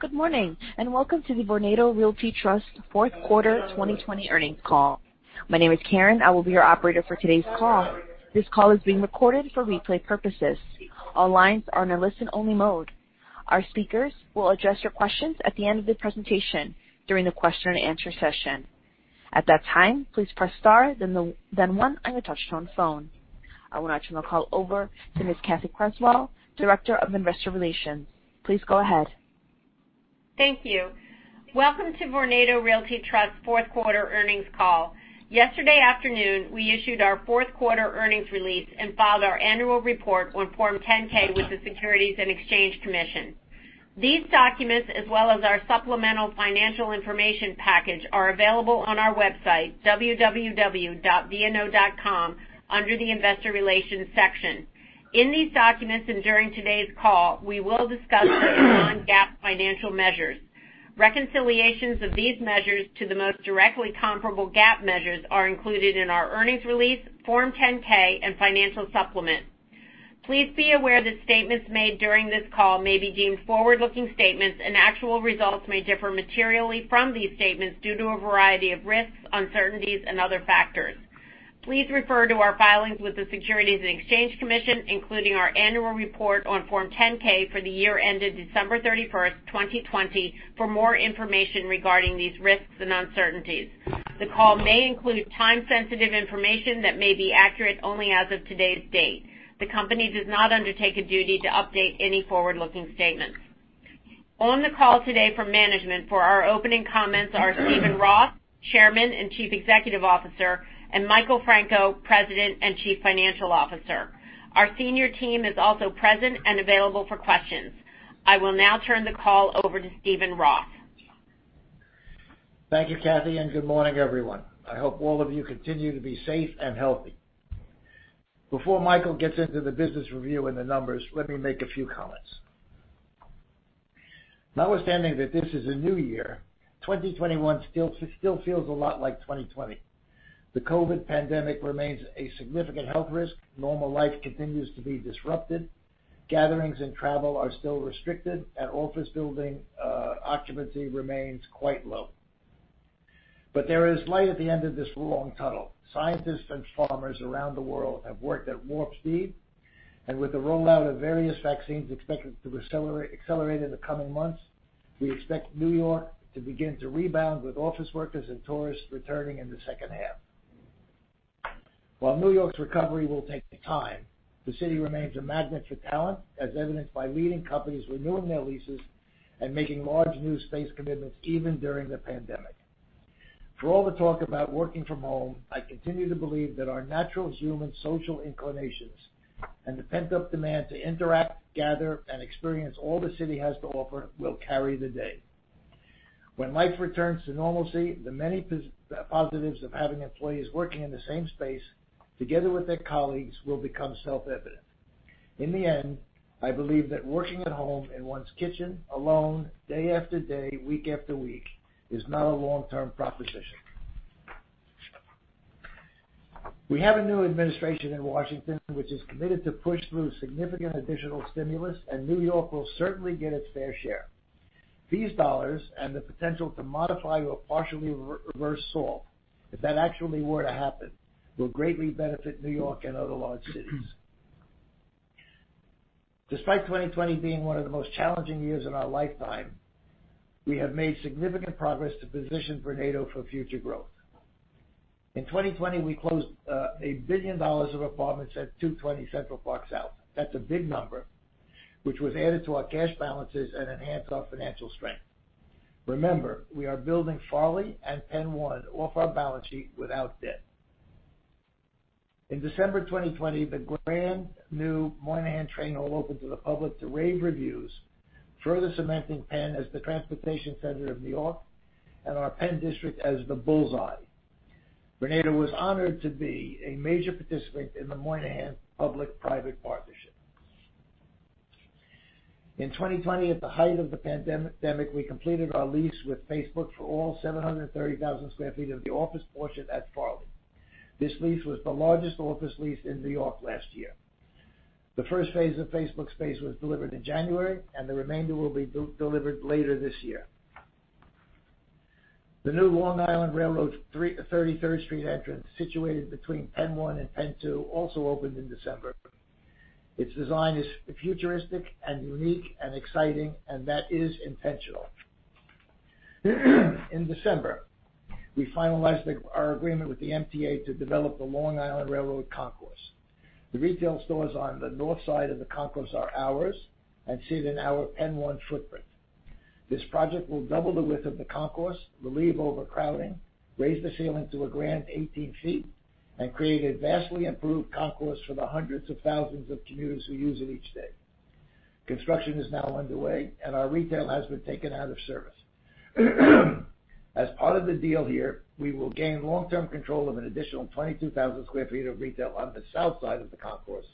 Good morning. Welcome to the Vornado Realty Trust fourth quarter 2020 earnings call. My name is Karen. I will be your operator for today's call. This call is being recorded for replay purposes. All lines are in a listen-only mode. Our speakers will address your questions at the end of the presentation during the question and answer session. At that time, please press star, then one on your touchtone phone. I will now turn the call over to Ms. Cathy Creswell, Director of Investor Relations. Please go ahead. Thank you. Welcome to Vornado Realty Trust fourth quarter earnings call. Yesterday afternoon, we issued our fourth quarter earnings release and filed our annual report on Form 10-K with the Securities and Exchange Commission. These documents, as well as our supplemental financial information package, are available on our website, www.vno.com, under the Investor Relations section. In these documents and during today's call, we will discuss some non-GAAP financial measures. Reconciliations of these measures to the most directly comparable GAAP measures are included in our earnings release, Form 10-K, and financial supplement. Please be aware that statements made during this call may be deemed forward-looking statements, and actual results may differ materially from these statements due to a variety of risks, uncertainties, and other factors. Please refer to our filings with the Securities and Exchange Commission, including our annual report on Form 10-K for the year ended December 31st, 2020, for more information regarding these risks and uncertainties. The call may include time-sensitive information that may be accurate only as of today's date. The company does not undertake a duty to update any forward-looking statements. On the call today from management for our opening comments are Steven Roth, Chairman and Chief Executive Officer, and Michael Franco, President and Chief Financial Officer. Our senior team is also present and available for questions. I will now turn the call over to Steven Roth. Thank you, Cathy, and good morning, everyone. I hope all of you continue to be safe and healthy. Before Michael gets into the business review and the numbers, let me make a few comments. Notwithstanding that this is a new year, 2021 still feels a lot like 2020. The Covid pandemic remains a significant health risk. Normal life continues to be disrupted. Gatherings and travel are still restricted, and office building occupancy remains quite low. There is light at the end of this long tunnel. Scientists and farmers around the world have worked at warp speed, and with the rollout of various vaccines expected to accelerate in the coming months, we expect New York to begin to rebound with office workers and tourists returning in the second half. While New York's recovery will take time, the city remains a magnet for talent, as evidenced by leading companies renewing their leases and making large new space commitments even during the pandemic. For all the talk about working from home, I continue to believe that our natural human social inclinations and the pent-up demand to interact, gather, and experience all the city has to offer will carry the day. When life returns to normalcy, the many positives of having employees working in the same space together with their colleagues will become self-evident. In the end, I believe that working at home in one's kitchen alone, day after day, week after week, is not a long-term proposition. We have a new administration in Washington, which is committed to push through significant additional stimulus, and New York will certainly get its fair share. These dollars and the potential to modify or partially reverse SALT, if that actually were to happen, will greatly benefit New York and other large cities. Despite 2020 being one of the most challenging years of our lifetime, we have made significant progress to position Vornado for future growth. In 2020, we closed $1 billion of apartments at 220 Central Park South. That's a big number, which was added to our cash balances and enhanced our financial strength. Remember, we are building Farley and PENN 1 off our balance sheet without debt. In December 2020, the grand new Moynihan Train Hall opened to the public to rave reviews, further cementing PENN as the transportation center of New York and our PENN District as the bullseye. Vornado was honored to be a major participant in the Moynihan public-private partnership. In 2020, at the height of the pandemic, we completed our lease with Facebook for all 730,000 sq ft of the office portion at Farley. This lease was the largest office lease in New York last year. The first phase of Facebook's space was delivered in January, and the remainder will be delivered later this year. The new Long Island Rail Road 33rd Street entrance, situated between PENN 1 and PENN 2, also opened in December. Its design is futuristic and unique and exciting, and that is intentional. In December, we finalized our agreement with the MTA to develop the Long Island Rail Road Concourse. The retail stores on the north side of the concourse are ours and sit in our PENN 1 footprint. This project will double the width of the concourse, relieve overcrowding, raise the ceiling to a grand 18 ft, and create a vastly improved concourse for the hundreds of thousands of commuters who use it each day. Construction is now underway. Our retail has been taken out of service. As part of the deal here, we will gain long-term control of an additional 22,000 sq ft of retail on the south side of the concourse.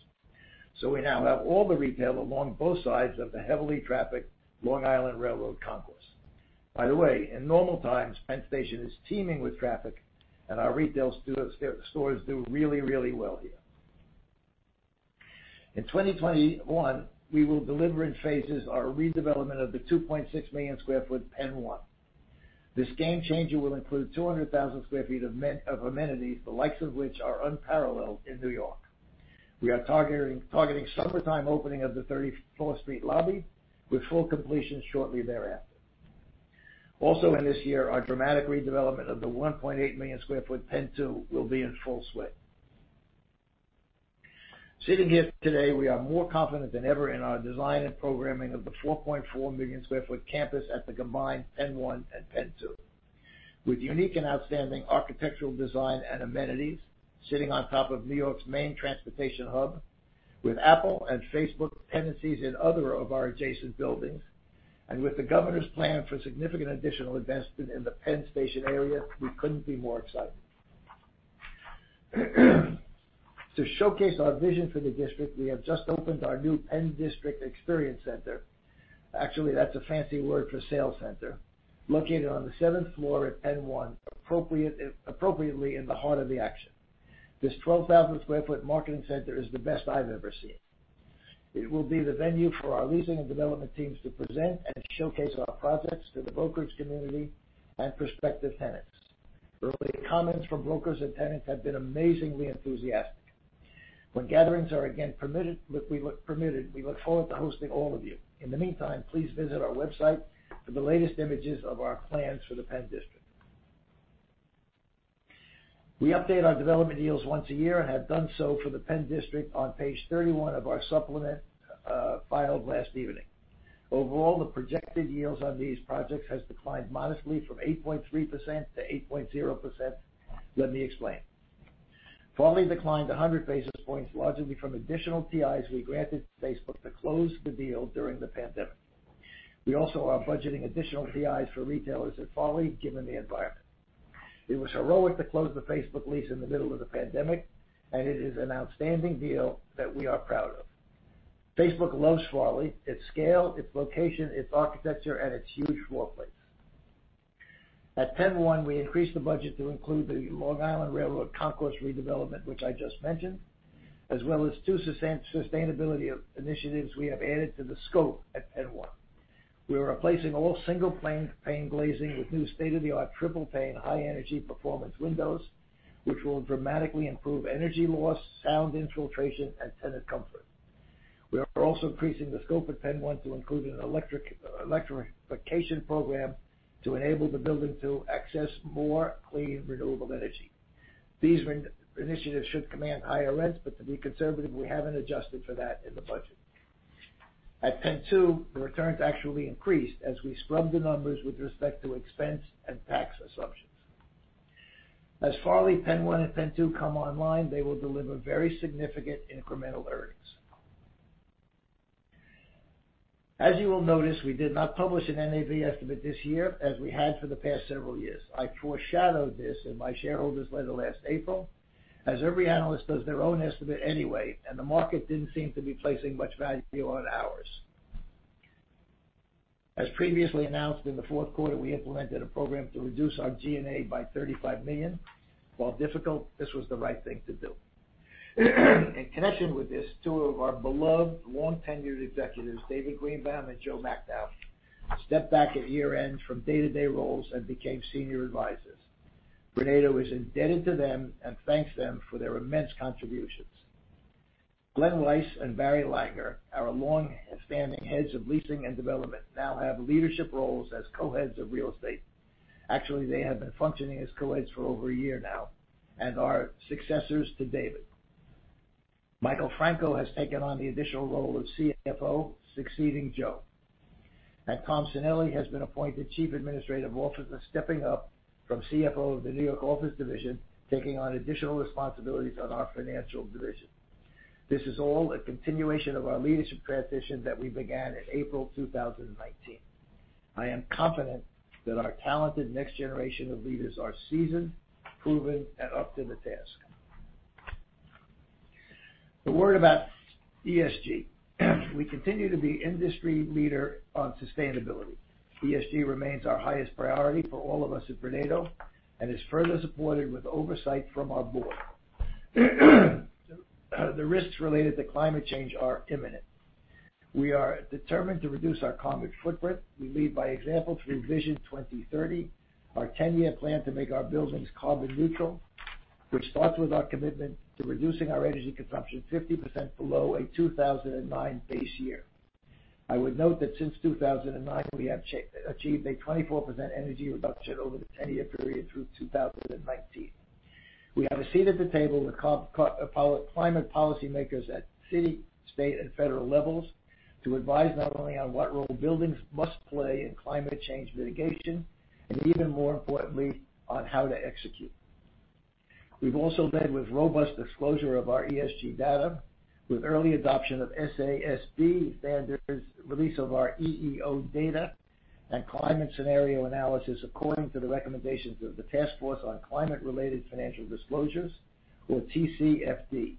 We now have all the retail along both sides of the heavily trafficked Long Island Rail Road Concourse. By the way, in normal times, PENN Station is teeming with traffic, and our retail stores do really well here. In 2021, we will deliver in phases our redevelopment of the 2.6 million square foot PENN 1. This game changer will include 200,000 sq ft of amenities, the likes of which are unparalleled in New York. We are targeting summertime opening of the 34th Street lobby, with full completion shortly thereafter. Also in this year, our dramatic redevelopment of the 1.8 million square foot PENN 2 will be in full swing. Sitting here today, we are more confident than ever in our design and programming of the 4.4 million square foot campus at the combined PENN 1 and PENN 2. With unique and outstanding architectural design and amenities, sitting on top of New York's main transportation hub, with Apple and Facebook tenancies in other of our adjacent buildings, and with the governor's plan for significant additional investment in the PENN Station area, we couldn't be more excited. To showcase our vision for the district, we have just opened our new PENN District Experience Center. Actually, that's a fancy word for sales center, located on the seventh floor at PENN 1, appropriately in the heart of the action. This 12,000 sq ft marketing center is the best I've ever seen. It will be the venue for our leasing and development teams to present and showcase our projects to the brokerage community and prospective tenants. Early comments from brokers and tenants have been amazingly enthusiastic. When gatherings are again permitted, we look forward to hosting all of you. In the meantime, please visit our website for the latest images of our plans for the PENN District. We update our development yields once a year and have done so for the PENN District on page 31 of our supplement, filed last evening. Overall, the projected yields on these projects has declined modestly from 8.3% to 8.0%. Let me explain. Farley declined 100 basis points, largely from additional TIs we granted Facebook to close the deal during the pandemic. We also are budgeting additional TIs for retailers at Farley, given the environment. It was heroic to close the Facebook lease in the middle of the pandemic, and it is an outstanding deal that we are proud of. Facebook loves Farley, its scale, its location, its architecture, and its huge floor plate. At PENN 1, we increased the budget to include the Long Island Rail Road Concourse redevelopment, which I just mentioned, as well as two sustainability initiatives we have added to the scope at PENN 1. We are replacing all single-pane glazing with new state-of-the-art triple-pane, high energy performance windows, which will dramatically improve energy loss, sound infiltration, and tenant comfort. We are also increasing the scope at PENN 1 to include an electrification program to enable the building to access more clean, renewable energy. These initiatives should command higher rents, but to be conservative, we haven't adjusted for that in the budget. At PENN 2, the returns actually increased as we scrubbed the numbers with respect to expense and tax assumptions. As Farley, PENN 1, and PENN 2 come online, they will deliver very significant incremental earnings. As you will notice, we did not publish an NAV estimate this year, as we had for the past several years. I foreshadowed this in my shareholders letter last April, as every analyst does their own estimate anyway, and the market didn't seem to be placing much value on ours. As previously announced in the fourth quarter, we implemented a program to reduce our G&A by $35 million. While difficult, this was the right thing to do. In connection with this, two of our beloved long tenured executives, David Greenbaum and Joe Macnow, stepped back at year-end from day-to-day roles and became senior advisors. Vornado is indebted to them and thanks them for their immense contributions. Glen Weiss and Barry Langer, our long standing Heads of Leasing and Development, now have leadership roles as Co-Heads of Real Estate. Actually, they have been functioning as co-heads for over a year now and are successors to David. Michael Franco has taken on the additional role of CFO, succeeding Joe. Tom Sanelli has been appointed Chief Administrative Officer, stepping up from CFO of the New York office division, taking on additional responsibilities on our financial division. This is all a continuation of our leadership transition that we began in April 2019. I am confident that our talented next generation of leaders are seasoned, proven, and up to the task. A word about ESG. We continue to be industry leader on sustainability. ESG remains our highest priority for all of us at Vornado and is further supported with oversight from our board. The risks related to climate change are imminent. We are determined to reduce our carbon footprint. We lead by example through Vision 2030, our 10-year plan to make our buildings carbon neutral, which starts with our commitment to reducing our energy consumption 50% below a 2009 base year. I would note that since 2009, we have achieved a 24% energy reduction over the 10-year period through 2019. We have a seat at the table with climate policy makers at city, state, and federal levels to advise not only on what role buildings must play in climate change mitigation, and even more importantly, on how to execute. We've also led with robust disclosure of our ESG data with early adoption of SASB standards, release of our EEO data, and climate scenario analysis according to the recommendations of the Task Force on Climate-related Financial Disclosures, or TCFD.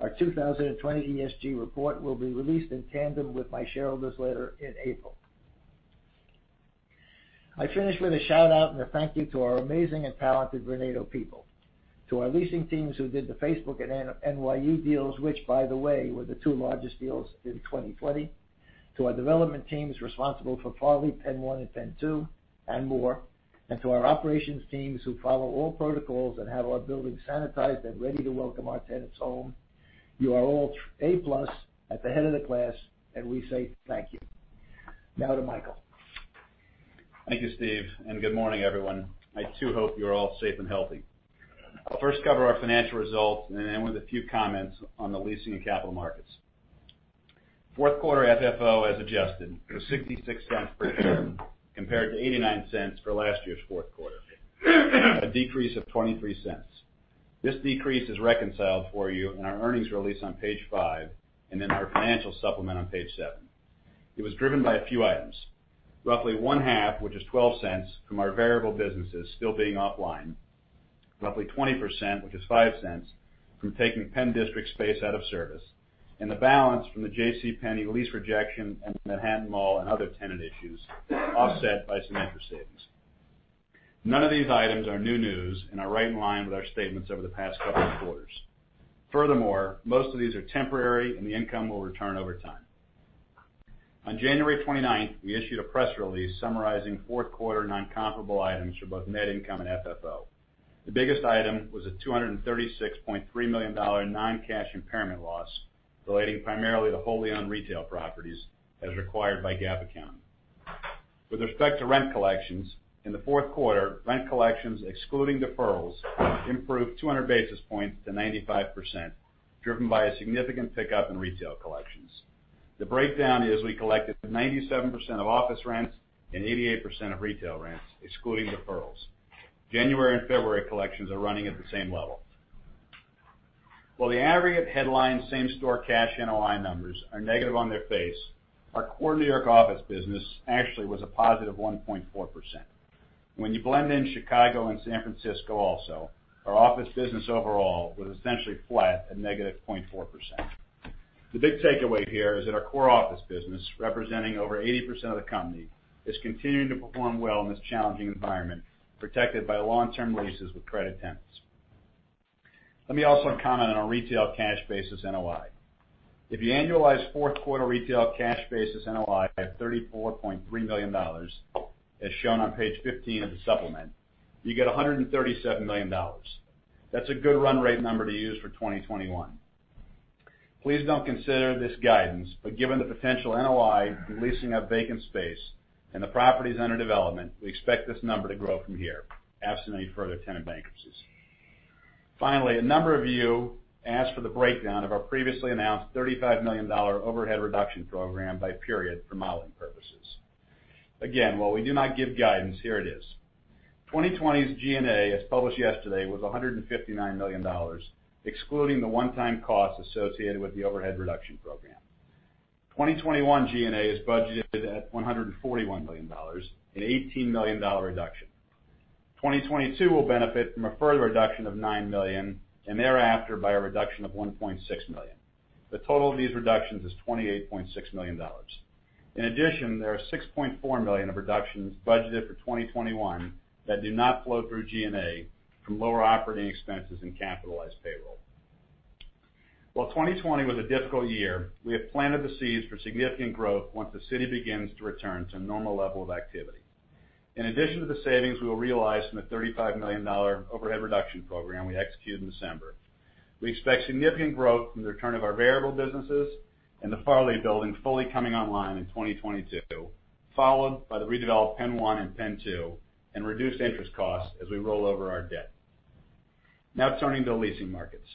Our 2020 ESG report will be released in tandem with my shareholders letter in April. I finish with a shout-out and a thank you to our amazing and talented Vornado people. To our leasing teams who did the Facebook and NYU deals, which by the way, were the two largest deals in 2020. To our development teams responsible for Farley, PENN 1 and PENN 2, and more. To our operations teams who follow all protocols and have our buildings sanitized and ready to welcome our tenants home. You are all A+ at the head of the class, and we say thank you. Now to Michael. Thank you, Steve, and good morning, everyone. I too hope you're all safe and healthy. I'll first cover our financial results, and then with a few comments on the leasing and capital markets. Fourth quarter FFO, as adjusted, was $0.66 per share, compared to $0.89 for last year's fourth quarter. A decrease of $0.23. This decrease is reconciled for you in our earnings release on page five, and in our financial supplement on page seven. It was driven by a few items. Roughly one half, which is $0.12, from our variable businesses still being offline. Roughly 20%, which is $0.05, from taking PENN District space out of service. The balance from the J.C. Penney lease rejection and Manhattan Mall and other tenant issues, offset by some interest savings. None of these items are new news and are right in line with our statements over the past couple of quarters. Furthermore, most of these are temporary and the income will return over time. On January 29th, we issued a press release summarizing fourth quarter non-comparable items for both net income and FFO. The biggest item was a $236.3 million non-cash impairment loss, relating primarily to wholly owned retail properties as required by GAAP accounting. With respect to rent collections, in the fourth quarter, rent collections excluding deferrals improved 200 basis points to 95%, driven by a significant pickup in retail collections. The breakdown is we collected 97% of office rents and 88% of retail rents, excluding deferrals. January and February collections are running at the same level. The aggregate headline same-store cash NOI numbers are negative on their face, our core New York office business actually was a +1.4%. When you blend in Chicago and San Francisco also, our office business overall was essentially flat at -0.4%. The big takeaway here is that our core office business, representing over 80% of the company, is continuing to perform well in this challenging environment, protected by long-term leases with credit tenants. Let me also comment on our retail cash basis NOI. If you annualize fourth quarter retail cash basis NOI at $34.3 million, as shown on page 15 of the supplement, you get $137 million. That's a good run rate number to use for 2021. Please don't consider this guidance, but given the potential NOI from leasing of vacant space and the properties under development, we expect this number to grow from here, absent any further tenant bankruptcies. Finally, a number of you asked for the breakdown of our previously announced $35 million overhead reduction program by period for modeling purposes. Again, while we do not give guidance, here it is. 2020's G&A, as published yesterday, was $159 million, excluding the one-time cost associated with the overhead reduction program. 2021 G&A is budgeted at $141 million, an $18 million reduction. 2022 will benefit from a further reduction of $9 million, and thereafter by a reduction of $1.6 million. The total of these reductions is $28.6 million. In addition, there are $6.4 million of reductions budgeted for 2021 that do not flow through G&A from lower operating expenses and capitalized payroll. While 2020 was a difficult year, we have planted the seeds for significant growth once the city begins to return to a normal level of activity. In addition to the savings we will realize from the $35 million overhead reduction program we executed in December, we expect significant growth from the return of our variable businesses and the Farley building fully coming online in 2022, followed by the redeveloped PENN 1 and PENN 2, and reduced interest costs as we roll over our debt. Turning to leasing markets.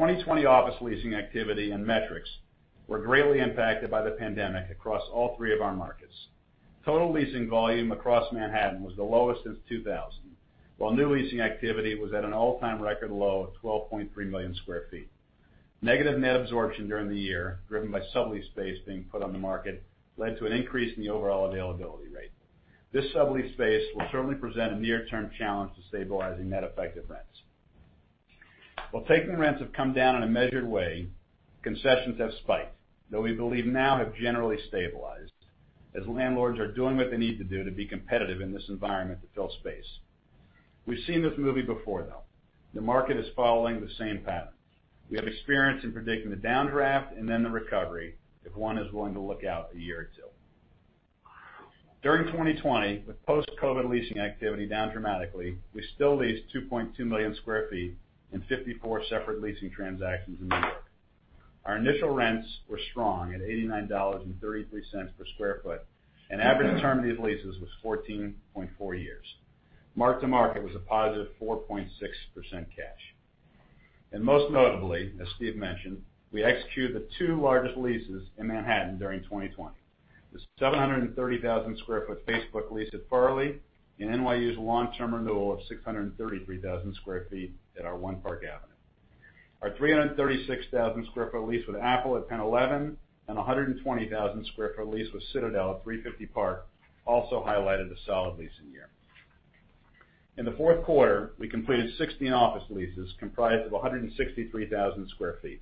2020 office leasing activity and metrics were greatly impacted by the pandemic across all three of our markets. Total leasing volume across Manhattan was the lowest since 2000, while new leasing activity was at an all-time record low of 12.3 million square feet. Negative net absorption during the year, driven by sublease space being put on the market, led to an increase in the overall availability rate. This sublease space will certainly present a near-term challenge to stabilizing net effective rents. While taking rents have come down in a measured way, concessions have spiked, though we believe now have generally stabilized as landlords are doing what they need to do to be competitive in this environment to fill space. We've seen this movie before though. The market is following the same pattern. We have experience in predicting the downdraft and then the recovery, if one is willing to look out a year or two. During 2020, with post-COVID leasing activity down dramatically, we still leased 2.2 million square feet in 54 separate leasing transactions in New York. Our initial rents were strong at $89.33 per square foot, and average term of these leases was 14.4 years. Mark-to-market was a positive 4.6% cash. Most notably, as Steve mentioned, we executed the two largest leases in Manhattan during 2020. The 730,000 sq ft Facebook lease at Farley, and NYU's long-term renewal of 633,000 sq ft at our One Park Avenue. Our 336,000 sq ft lease with Apple at PENN 11, and 120,000 sq ft lease with Citadel at 350 Park also highlighted a solid leasing year. In the fourth quarter, we completed 16 office leases comprised of 163,000 sq ft.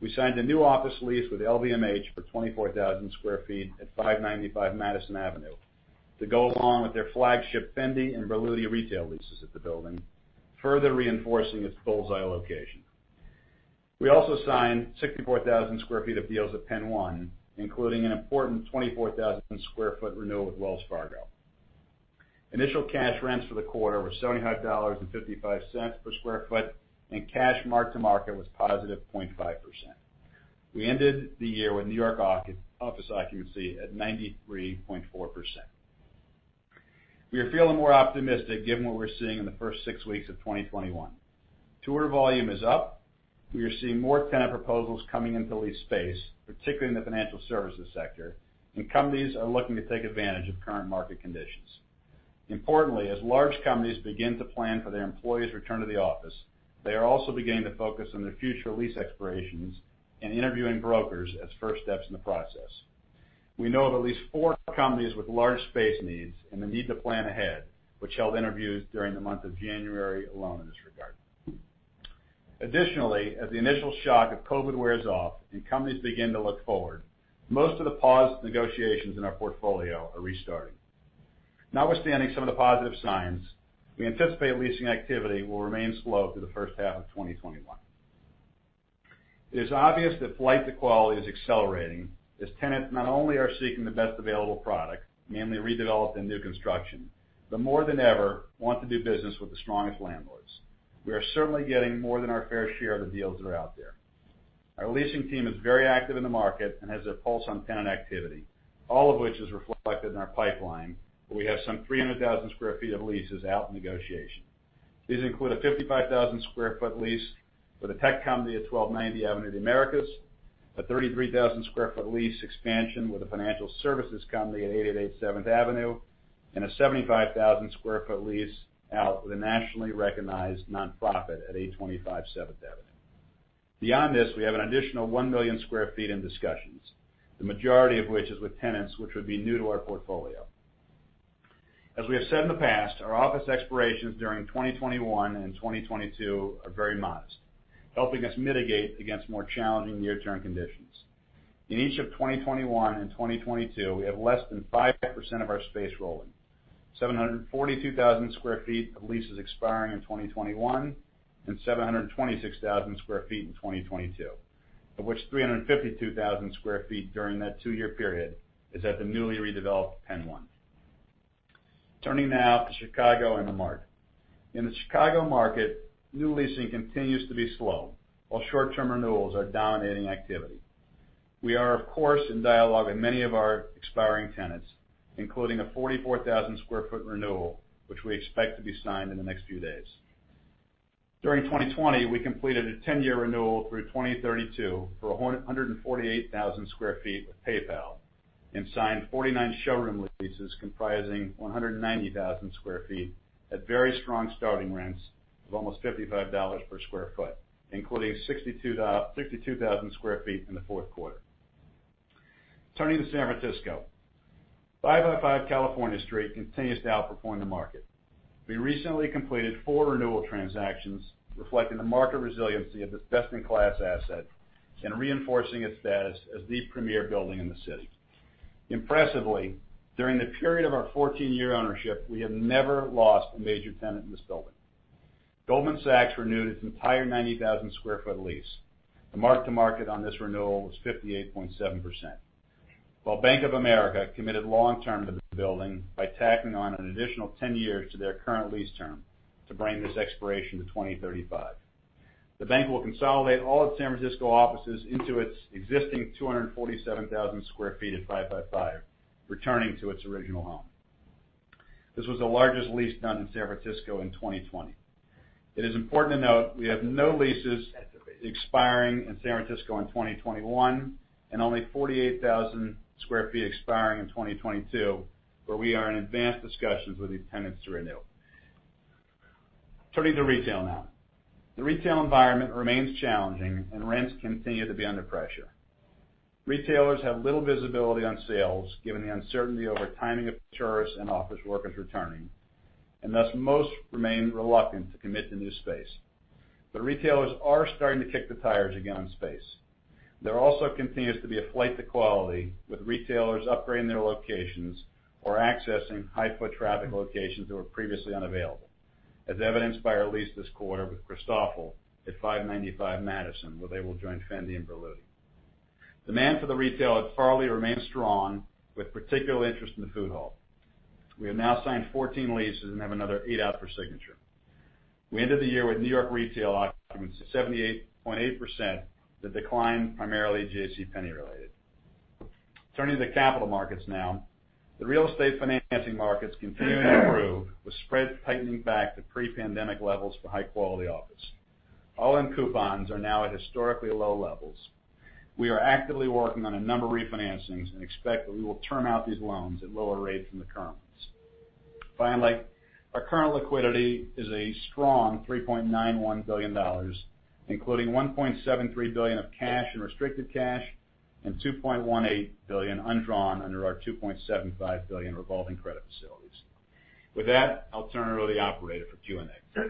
We signed a new office lease with LVMH for 24,000 sq ft at 595 Madison Avenue to go along with their flagship Fendi and Berluti retail leases at the building, further reinforcing its bull's eye location. We also signed 64,000 sq ft of deals at PENN 1, including an important 24,000 sq ft renewal with Wells Fargo. Initial cash rents for the quarter were $75.55 per sq ft, and cash mark-to-market was positive 0.5%. We ended the year with New York office occupancy at 93.4%. We are feeling more optimistic given what we're seeing in the first six weeks of 2021. Tour volume is up. We are seeing more tenant proposals coming into leased space, particularly in the financial services sector, and companies are looking to take advantage of current market conditions. Importantly, as large companies begin to plan for their employees' return to the office, they are also beginning to focus on their future lease expirations and interviewing brokers as first steps in the process. We know of at least four companies with large space needs and the need to plan ahead, which held interviews during the month of January alone in this regard. Additionally, as the initial shock of COVID wears off and companies begin to look forward, most of the paused negotiations in our portfolio are restarting. Notwithstanding some of the positive signs, we anticipate leasing activity will remain slow through the first half of 2021. It is obvious that flight to quality is accelerating as tenants not only are seeking the best available product, namely redeveloped and new construction, but more than ever want to do business with the strongest landlords. We are certainly getting more than our fair share of the deals that are out there. Our leasing team is very active in the market and has a pulse on tenant activity, all of which is reflected in our pipeline, where we have some 300,000 sq ft of leases out in negotiation. These include a 55,000 sq ft lease with a tech company at 1290 Avenue of the Americas, a 33,000 sq ft lease expansion with a financial services company at 888 Seventh Avenue, and a 75,000 sq ft lease out with a nationally recognized non-profit at 825 Seventh Avenue. Beyond this, we have an additional 1 million square feet in discussions, the majority of which is with tenants which would be new to our portfolio. As we have said in the past, our office expirations during 2021 and 2022 are very modest, helping us mitigate against more challenging near-term conditions. In each of 2021 and 2022, we have less than 5% of our space rolling. 742,000 sq ft of leases expiring in 2021 and 726,000 sq ft in 2022, of which 352,000 sq ft during that two-year period is at the newly redeveloped PENN 1. Turning now to Chicago and THE MART. In the Chicago market, new leasing continues to be slow while short-term renewals are dominating activity. We are, of course, in dialogue with many of our expiring tenants, including a 44,000 sq ft renewal, which we expect to be signed in the next few days. During 2020, we completed a 10-year renewal through 2032 for 148,000 sq ft with PayPal and signed 49 showroom leases comprising 190,000 sq ft at very strong starting rents of almost $55 per sq ft, including 62,000 sq ft in the fourth quarter. Turning to San Francisco. 555 California Street continues to outperform the market. We recently completed four renewal transactions reflecting the market resiliency of this best-in-class asset and reinforcing its status as the premier building in the city. Impressively, during the period of our 14-year ownership, we have never lost a major tenant in this building. Goldman Sachs renewed its entire 90,000 sq ft lease. The mark-to-market on this renewal was 58.7%, while Bank of America committed long-term to the building by tacking on an additional 10 years to their current lease term to bring this expiration to 2035. The bank will consolidate all its San Francisco offices into its existing 247,000 sq ft at 555, returning to its original home. This was the largest lease done in San Francisco in 2020. It is important to note we have no leases expiring in San Francisco in 2021 and only 48,000 sq ft expiring in 2022, where we are in advanced discussions with these tenants to renew. Turning to retail now. The retail environment remains challenging and rents continue to be under pressure. Retailers have little visibility on sales, given the uncertainty over timing of tourists and office workers returning, and thus most remain reluctant to commit to new space. Retailers are starting to kick the tires again on space. There also continues to be a flight to quality, with retailers upgrading their locations or accessing high foot traffic locations that were previously unavailable, as evidenced by our lease this quarter with Christofle at 595 Madison, where they will join Fendi and Berluti. Demand for the retail at Farley remains strong, with particular interest in the food hall. We have now signed 14 leases and have another eight out for signature. We ended the year with New York retail occupancy at 78.8%, the decline primarily J.C. Penney related. Turning to the capital markets now. The real estate financing markets continue to improve, with spreads tightening back to pre-pandemic levels for high-quality office. All-in coupons are now at historically low levels. We are actively working on a number of refinancings and expect that we will turn out these loans at lower rates than the current ones. Finally, our current liquidity is a strong $3.91 billion, including $1.73 billion of cash and restricted cash, and $2.18 billion undrawn under our $2.75 billion revolving credit facilities. With that, I'll turn it over to the operator for Q&A.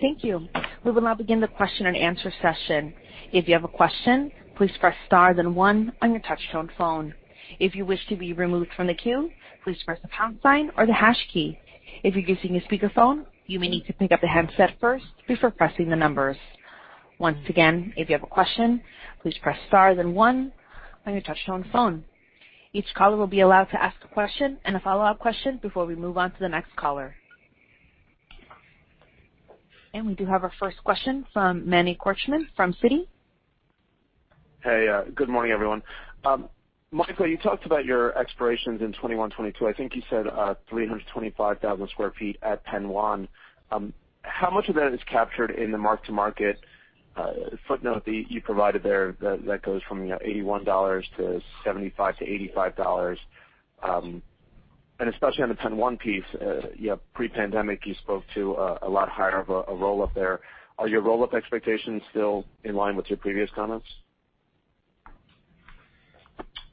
Thank you. We will now begin the question and answer session. If you have a question, please press star then one on your touch-tone phone. If you wish to be removed from the queue, please press the pound sign or the hash key. If you're using a speakerphone, you may need to pick up the handset first before pressing the numbers. Once again, if you have a question, please press star then one on your touch-tone phone. Each caller will be allowed to ask a question and a follow-up question before we move on to the next caller. We do have our first question from Manny Korchman from Citi. Hey, good morning, everyone. Michael, you talked about your expirations in 2021-2022. I think you said 352,000 sq ft at PENN 1. How much of that is captured in the mark-to-market footnote that you provided there that goes from $81 to $75 to $85? Especially on the PENN 1 piece, pre-pandemic, you spoke to a lot higher of a roll-up there. Are your roll-up expectations still in line with your previous comments?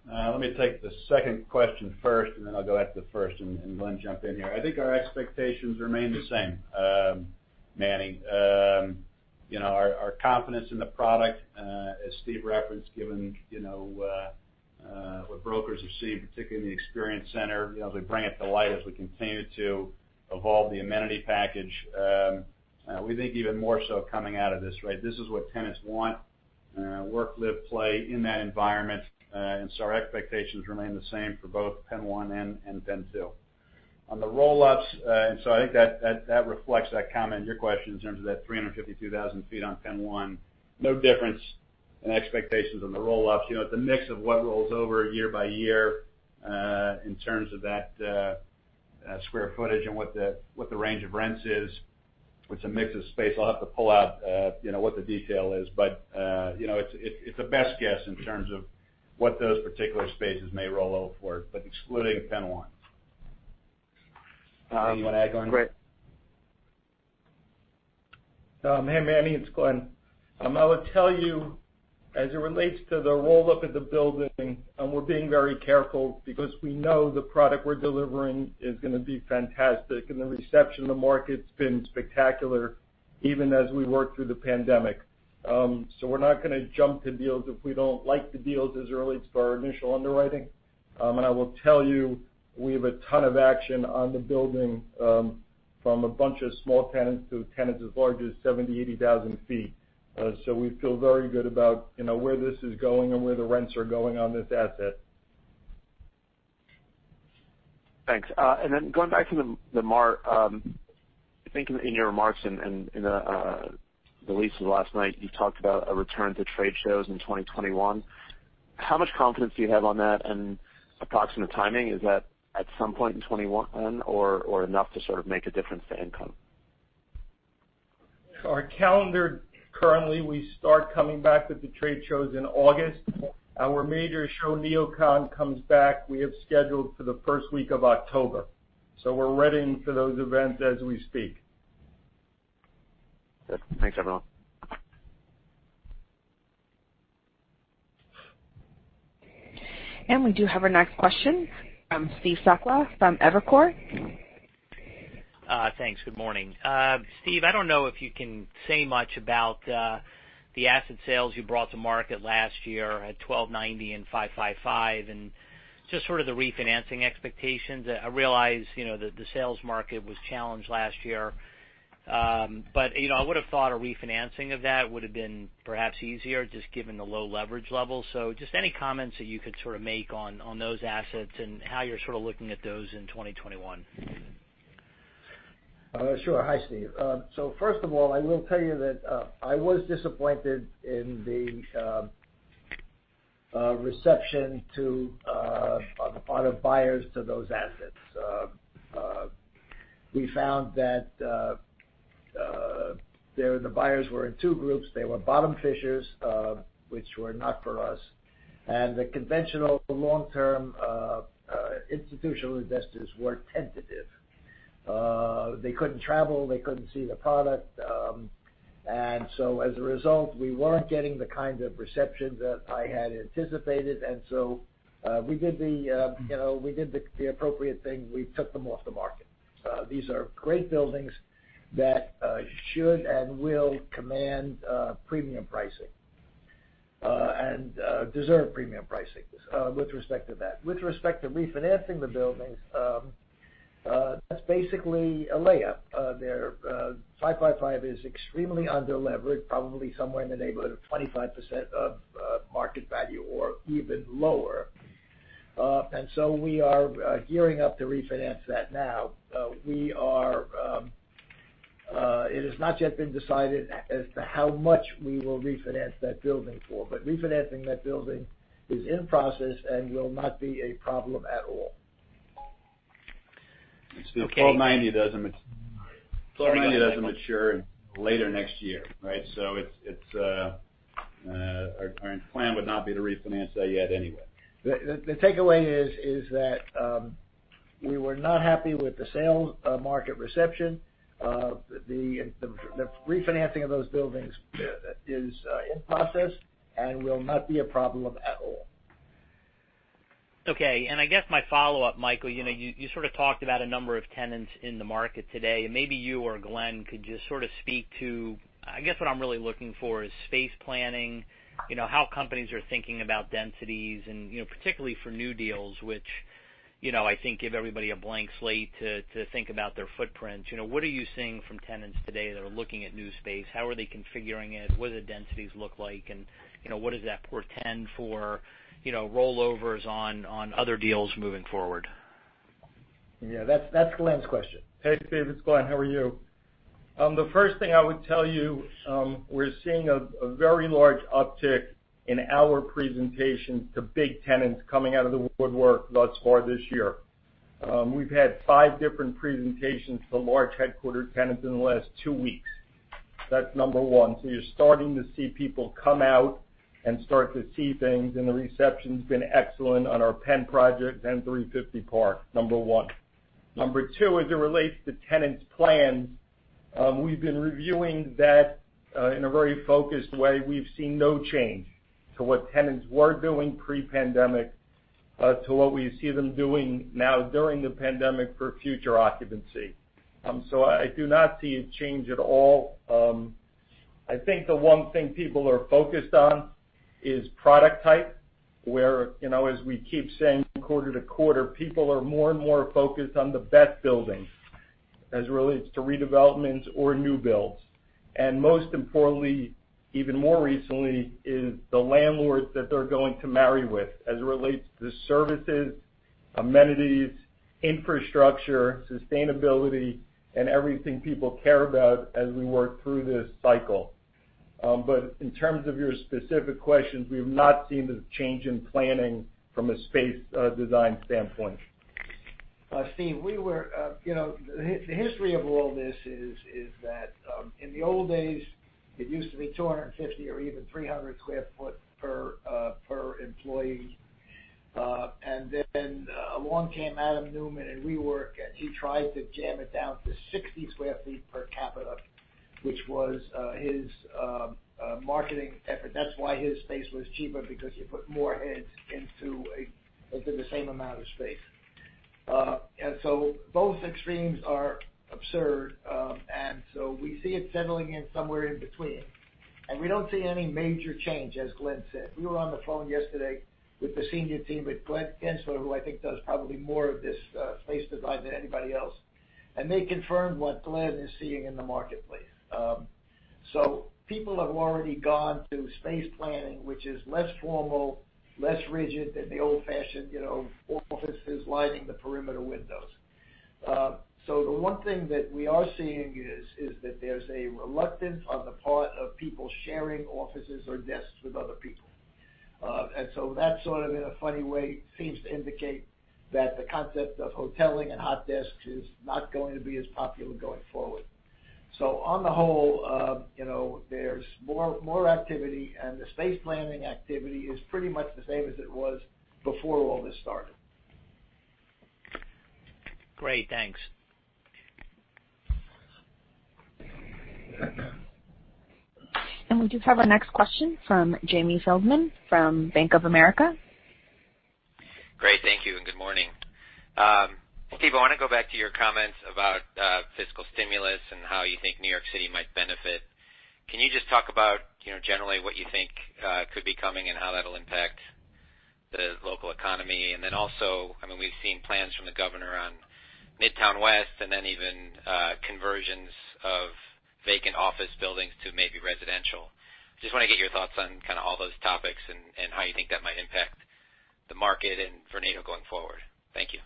Let me take the second question first, and then I'll go after the first, and Glen jump in here. I think our expectations remain the same, Manny. Our confidence in the product, as Steve referenced, given what brokers have seen, particularly in the experience center, as we bring it to light, as we continue to evolve the amenity package, we think even more so coming out of this, right? This is what tenants want, work, live, play in that environment. Our expectations remain the same for both PENN 1 and PENN 2. On the roll-ups, and so I think that reflects that comment and your question in terms of that 352,000 sq ft on PENN 1, no difference in expectations on the roll-ups. The mix of what rolls over year by year, in terms of that square footage and what the range of rents is. It's a mix of space. I'll have to pull out what the detail is. It's a best guess in terms of what those particular spaces may roll over for, but excluding PENN 1. Anything you want to add, Glen? Great. Hey, Manny. It's Glen. I will tell you, as it relates to the roll-up of the building, and we're being very careful because we know the product we're delivering is going to be fantastic, and the reception in the market's been spectacular, even as we work through the pandemic. We're not going to jump to deals if we don't like the deals as it relates to our initial underwriting. I will tell you, we have a ton of action on the building, from a bunch of small tenants to tenants as large as 70,000-80,000 ft. We feel very good about where this is going and where the rents are going on this asset. Thanks. Then going back to the mark, I think in your remarks in the release last night, you talked about a return to trade shows in 2021. How much confidence do you have on that and approximate timing? Is that at some point in 2021 or enough to sort of make a difference to income? Our calendar currently, we start coming back with the trade shows in August. Our major show, NeoCon, comes back. We have scheduled for the first week of October. We're readying for those events as we speak. Good. Thanks, everyone. We do have our next question from Steve Sakwa from Evercore. Thanks. Good morning. Steve, I don't know if you can say much about the asset sales you brought to market last year at 1290 and 555, and just sort of the refinancing expectations. I realize that the sales market was challenged last year. I would have thought a refinancing of that would have been perhaps easier, just given the low leverage level. Just any comments that you could sort of make on those assets and how you're sort of looking at those in 2021. Sure. Hi, Steve. First of all, I will tell you that I was disappointed in the reception on the part of buyers to those assets. We found that the buyers were in two groups. They were bottom fishers, which were not for us, and the conventional long-term institutional investors were tentative. They couldn't travel. They couldn't see the product. As a result, we weren't getting the kind of reception that I had anticipated, and so we did the appropriate thing. We took them off the market. These are great buildings that should and will command premium pricing, and deserve premium pricing with respect to that. With respect to refinancing the buildings, that's basically a layup. 555 is extremely underleveraged, probably somewhere in the neighborhood of 25% of market value or even lower. We are gearing up to refinance that now. It has not yet been decided as to how much we will refinance that building for, but refinancing that building is in process and will not be a problem at all. Okay. Steve, 1290 doesn't mature until later next year, right? Our plan would not be to refinance that yet anyway. The takeaway is that we were not happy with the sales market reception. The refinancing of those buildings is in process and will not be a problem at all. Okay. I guess my follow-up, Michael, you sort of talked about a number of tenants in the market today, and maybe you or Glen could just sort of speak to I guess what I'm really looking for is space planning, how companies are thinking about densities and particularly for new deals, which I think give everybody a blank slate to think about their footprint. What are you seeing from tenants today that are looking at new space? How are they configuring it? What do the densities look like? What does that portend for rollovers on other deals moving forward? Yeah, that's Glen's question. Hey, Steve, it's Glen. How are you? The first thing I would tell you, we're seeing a very large uptick in our presentations to big tenants coming out of the woodwork thus far this year. We've had five different presentations to large headquarter tenants in the last two weeks. That's number one. You're starting to see people come out and start to see things, and the reception's been excellent on our PENN projects and 350 Park. Number one. Number two, as it relates to tenants' plans, we've been reviewing that in a very focused way. We've seen no change to what tenants were doing pre-pandemic to what we see them doing now during the pandemic for future occupancy. I do not see a change at all. I think the one thing people are focused on is product type, where, as we keep saying quarter to quarter, people are more and more focused on the best building as it relates to redevelopments or new builds. Most importantly, even more recently, is the landlords that they're going to marry with as it relates to services, amenities, infrastructure, sustainability, and everything people care about as we work through this cycle. In terms of your specific questions, we have not seen a change in planning from a space design standpoint. Steve, the history of all this is that in the old days, it used to be 250 or even 300 sq ft per employee. Along came Adam Neumann and WeWork, and he tried to jam it down to 60 sq ft per capita, which was his marketing effort. That's why his space was cheaper, because he put more heads into the same amount of space. Both extremes are absurd. We see it settling in somewhere in between. We don't see any major change, as Glen said. We were on the phone yesterday with the senior team with Glen who I think does probably more of this space design than anybody else. They confirmed what Glen is seeing in the marketplace. People have already gone through space planning, which is less formal, less rigid than the old-fashioned offices lining the perimeter windows. The one thing that we are seeing is that there's a reluctance on the part of people sharing offices or desks with other people. That sort of in a funny way, seems to indicate that the concept of hoteling and hot desks is not going to be as popular going forward. On the whole, there's more activity, and the space planning activity is pretty much the same as it was before all this started. Great. Thanks. We do have our next question from Jamie Feldman from Bank of America. Great. Thank you. Good morning. Steve, I want to go back to your comments about fiscal stimulus and how you think New York City might benefit. Can you just talk about generally what you think could be coming and how that'll impact the local economy? Then also, we've seen plans from the governor on Midtown West, and then even conversions of vacant office buildings to maybe residential. Just want to get your thoughts on kind of all those topics and how you think that might impact the market and Vornado going forward. Thank you.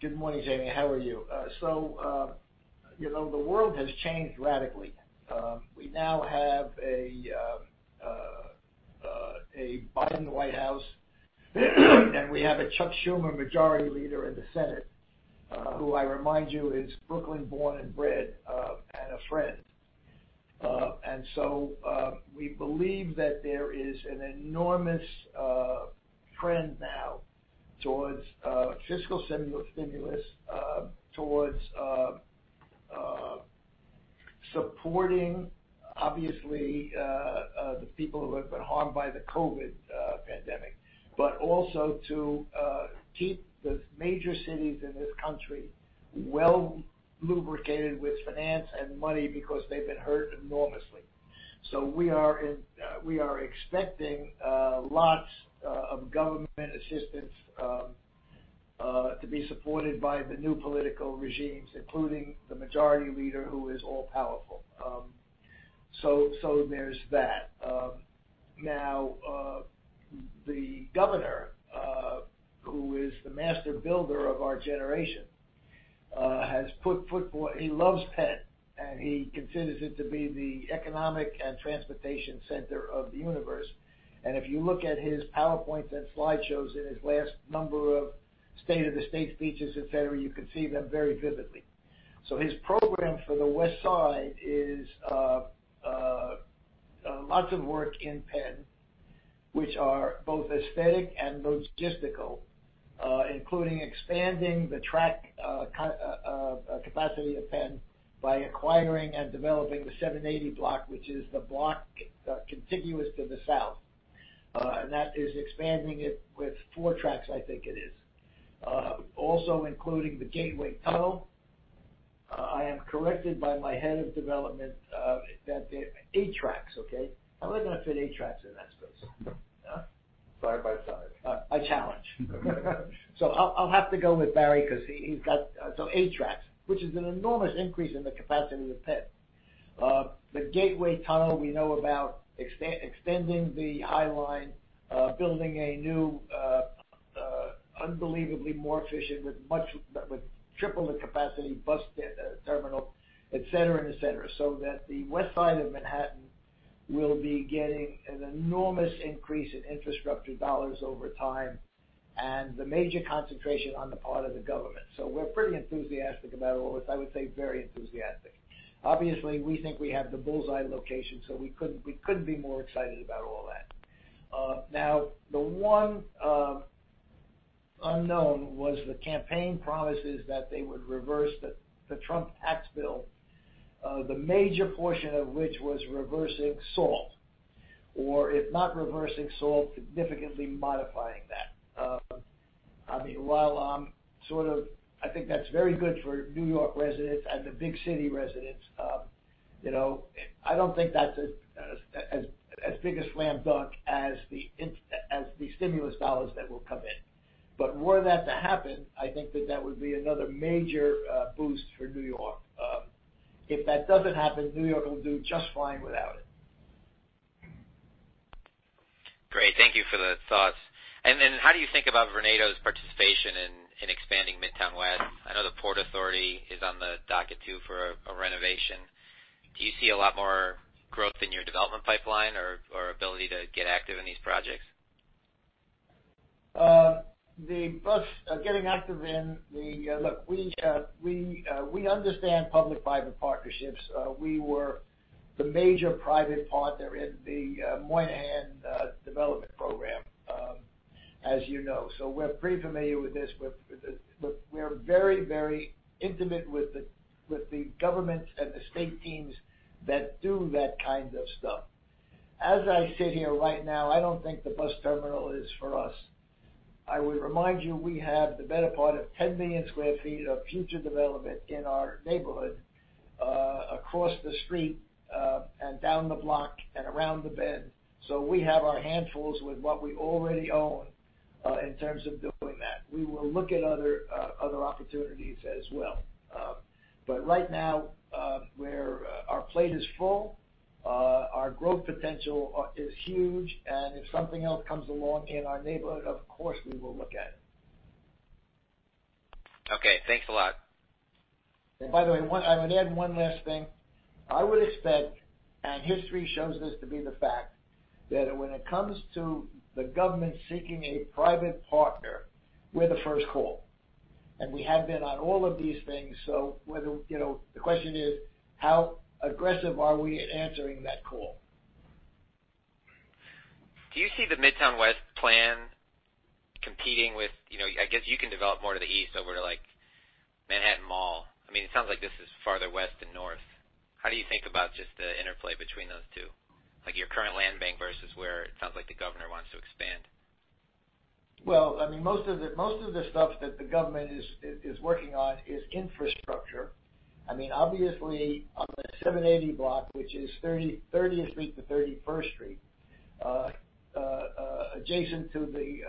Good morning, Jamie. How are you? The world has changed radically. We now have a Biden White House and we have a Chuck Schumer Majority Leader in the Senate, who I remind you is Brooklyn born and bred, and a friend. We believe that there is an enormous trend now towards fiscal stimulus, towards supporting, obviously, the people who have been harmed by the COVID pandemic, but also to keep the major cities in this country well-lubricated with finance and money because they've been hurt enormously. We are expecting lots of government assistance to be supported by the new political regimes, including the Majority Leader, who is all-powerful. There's that. Now, the governor, who is the master builder of our generation, he loves PENN, and he considers it to be the economic and transportation center of the universe. If you look at his PowerPoints and slideshows in his last number of State of the State speeches, et cetera, you can see them very vividly. His program for the West Side is lots of work in PENN, which are both aesthetic and logistical, including expanding the track capacity of PENN by acquiring and developing the Block 780, which is the block contiguous to the south. That is expanding it with four tracks, I think it is. Also including the Gateway Tunnel. I am corrected by my head of development that eight tracks, okay? How are they going to fit eight tracks in that space? Huh? Side by side. I challenge. I'll have to go with Barry because he's got eight tracks, which is an enormous increase in the capacity of PENN. The Gateway Tunnel, we know about extending the High Line, building a new, unbelievably more efficient, with triple the capacity bus terminal, et cetera. That the West Side of Manhattan will be getting an enormous increase in infrastructure dollars over time and the major concentration on the part of the government. We're pretty enthusiastic about all this, I would say very enthusiastic. Obviously, we think we have the bullseye location, so we couldn't be more excited about all that. Now, the one unknown was the campaign promises that they would reverse the Trump tax bill, the major portion of which was reversing SALT. If not reversing SALT, significantly modifying that. While I think that's very good for New York residents and the big city residents, I don't think that's as big a slam dunk as the stimulus dollars that will come in. Were that to happen, I think that that would be another major boost for New York. If that doesn't happen, New York will do just fine without it. Great. Thank you for the thoughts. How do you think about Vornado's participation in expanding Midtown West? I know the Port Authority is on the docket, too, for a renovation. Do you see a lot more growth in your development pipeline or ability to get active in these projects? The bus getting active in the Look, we understand public-private partnerships. We were the major private partner in the Moynihan Development Program, as you know. We're pretty familiar with this. Look, we're very intimate with the government and the state teams that do that kind of stuff. As I sit here right now, I don't think the bus terminal is for us. I would remind you, we have the better part of 10 million square feet of future development in our neighborhood, across the street, and down the block, and around the bend. We have our hands full with what we already own, in terms of doing that. We will look at other opportunities as well. Right now, our plate is full. Our growth potential is huge. If something else comes along in our neighborhood, of course, we will look at it. Okay, thanks a lot. By the way, I would add one last thing. I would expect, and history shows this to be the fact, that when it comes to the government seeking a private partner, we're the first call. We have been on all of these things. The question is, how aggressive are we at answering that call? Do you see the Midtown West plan competing with I guess you can develop more to the east over to Manhattan Mall? It sounds like this is farther west and north. How do you think about just the interplay between those two? Like your current land bank versus where it sounds like the governor wants to expand. Most of the stuff that the government is working on is infrastructure. Obviously, on the Block 780, which is 30th Street to 31st Street, adjacent to the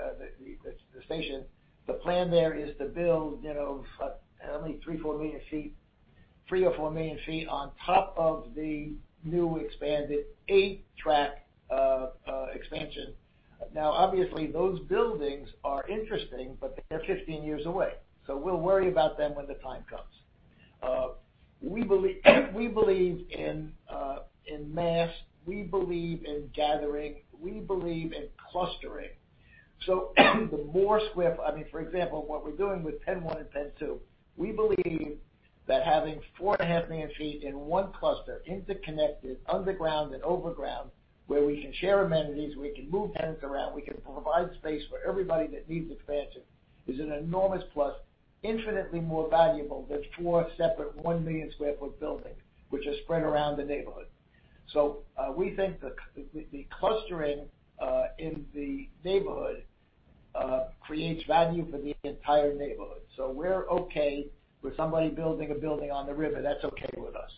station, the plan there is to build, I believe three or four million feet on top of the new expanded eight-track expansion. Obviously, those buildings are interesting, but they're 15 years away. We'll worry about them when the time comes. We believe in mass. We believe in gathering. We believe in clustering. The more square foot For example, what we're doing with PENN 1 and PENN 2, we believe that having 4.5 million feet in one cluster, interconnected, underground and overground, where we can share amenities, we can move tenants around, we can provide space for everybody that needs expansion, is an enormous plus. Infinitely more valuable than four separate 1 million square foot buildings, which are spread around the neighborhood. We think that the clustering in the neighborhood creates value for the entire neighborhood. We're okay with somebody building a building on the river. That's okay with us.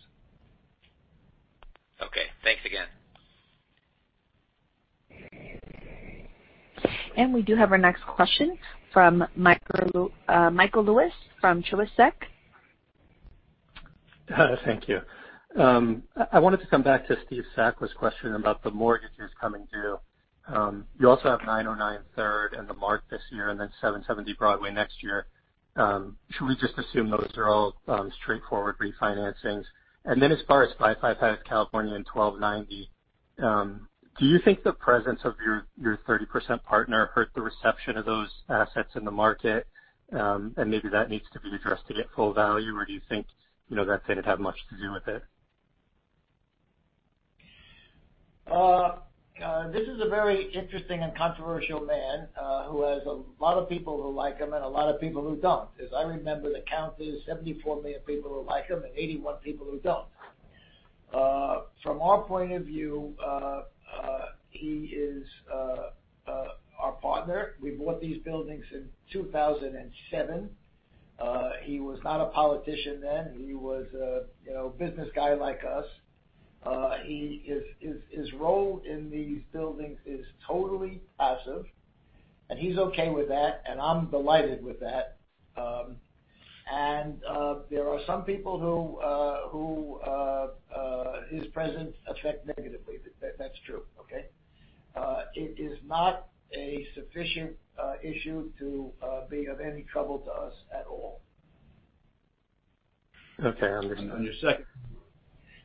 Okay, thanks again. We do have our next question from Michael Lewis from Truist Securities. Thank you. I wanted to come back to Steve Sakwa's question about the mortgages coming due. You also have 909 Third and THE MART this year, then 770 Broadway next year. Should we just assume those are all straightforward refinancings? As far as 555 California and 1290, do you think the presence of your 30% partner hurt the reception of those assets in the market, and maybe that needs to be addressed to get full value, or do you think that didn't have much to do with it? This is a very interesting and controversial man, who has a lot of people who like him and a lot of people who don't. As I remember, the count is 74 million people who like him and 81 million people who don't. From our point of view, he is our partner. We bought these buildings in 2007. He was not a politician then. He was a business guy like us. His role in these buildings is totally passive, and he's okay with that, and I'm delighted with that. There are some people who his presence affect negatively. That's true. Okay? It is not a sufficient issue to be of any trouble to us at all. Okay. Understood. On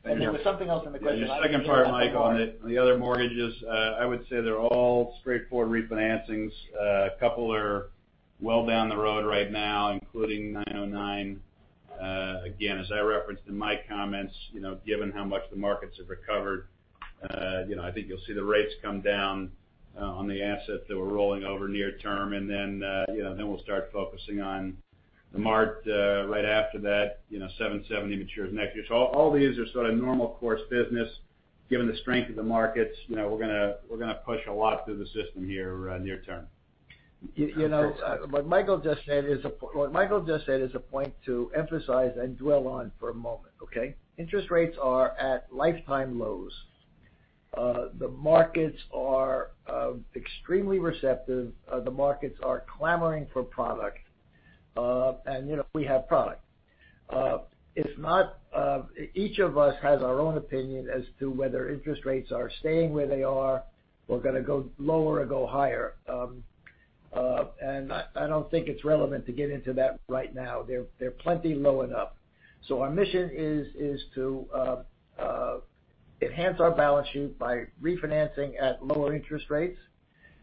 your second- There was something else on the question. I don't know what it was. On your second part, Michael, on the other mortgages, I would say they're all straightforward refinancings. A couple are well down the road right now, including 909. As I referenced in my comments, given how much the markets have recovered, I think you'll see the rates come down on the assets that we're rolling over near term, and then we'll start focusing on THE MART right after that. 770 matures next year. All these are sort of normal course business. Given the strength of the markets, we're going to push a lot through the system here near term. What Michael just said is a point to emphasize and dwell on for a moment, okay? Interest rates are at lifetime lows. The markets are extremely receptive. The markets are clamoring for product. We have product. Each of us has our own opinion as to whether interest rates are staying where they are or going to go lower or go higher. I don't think it's relevant to get into that right now. They're plenty low enough. Our mission is to enhance our balance sheet by refinancing at lower interest rates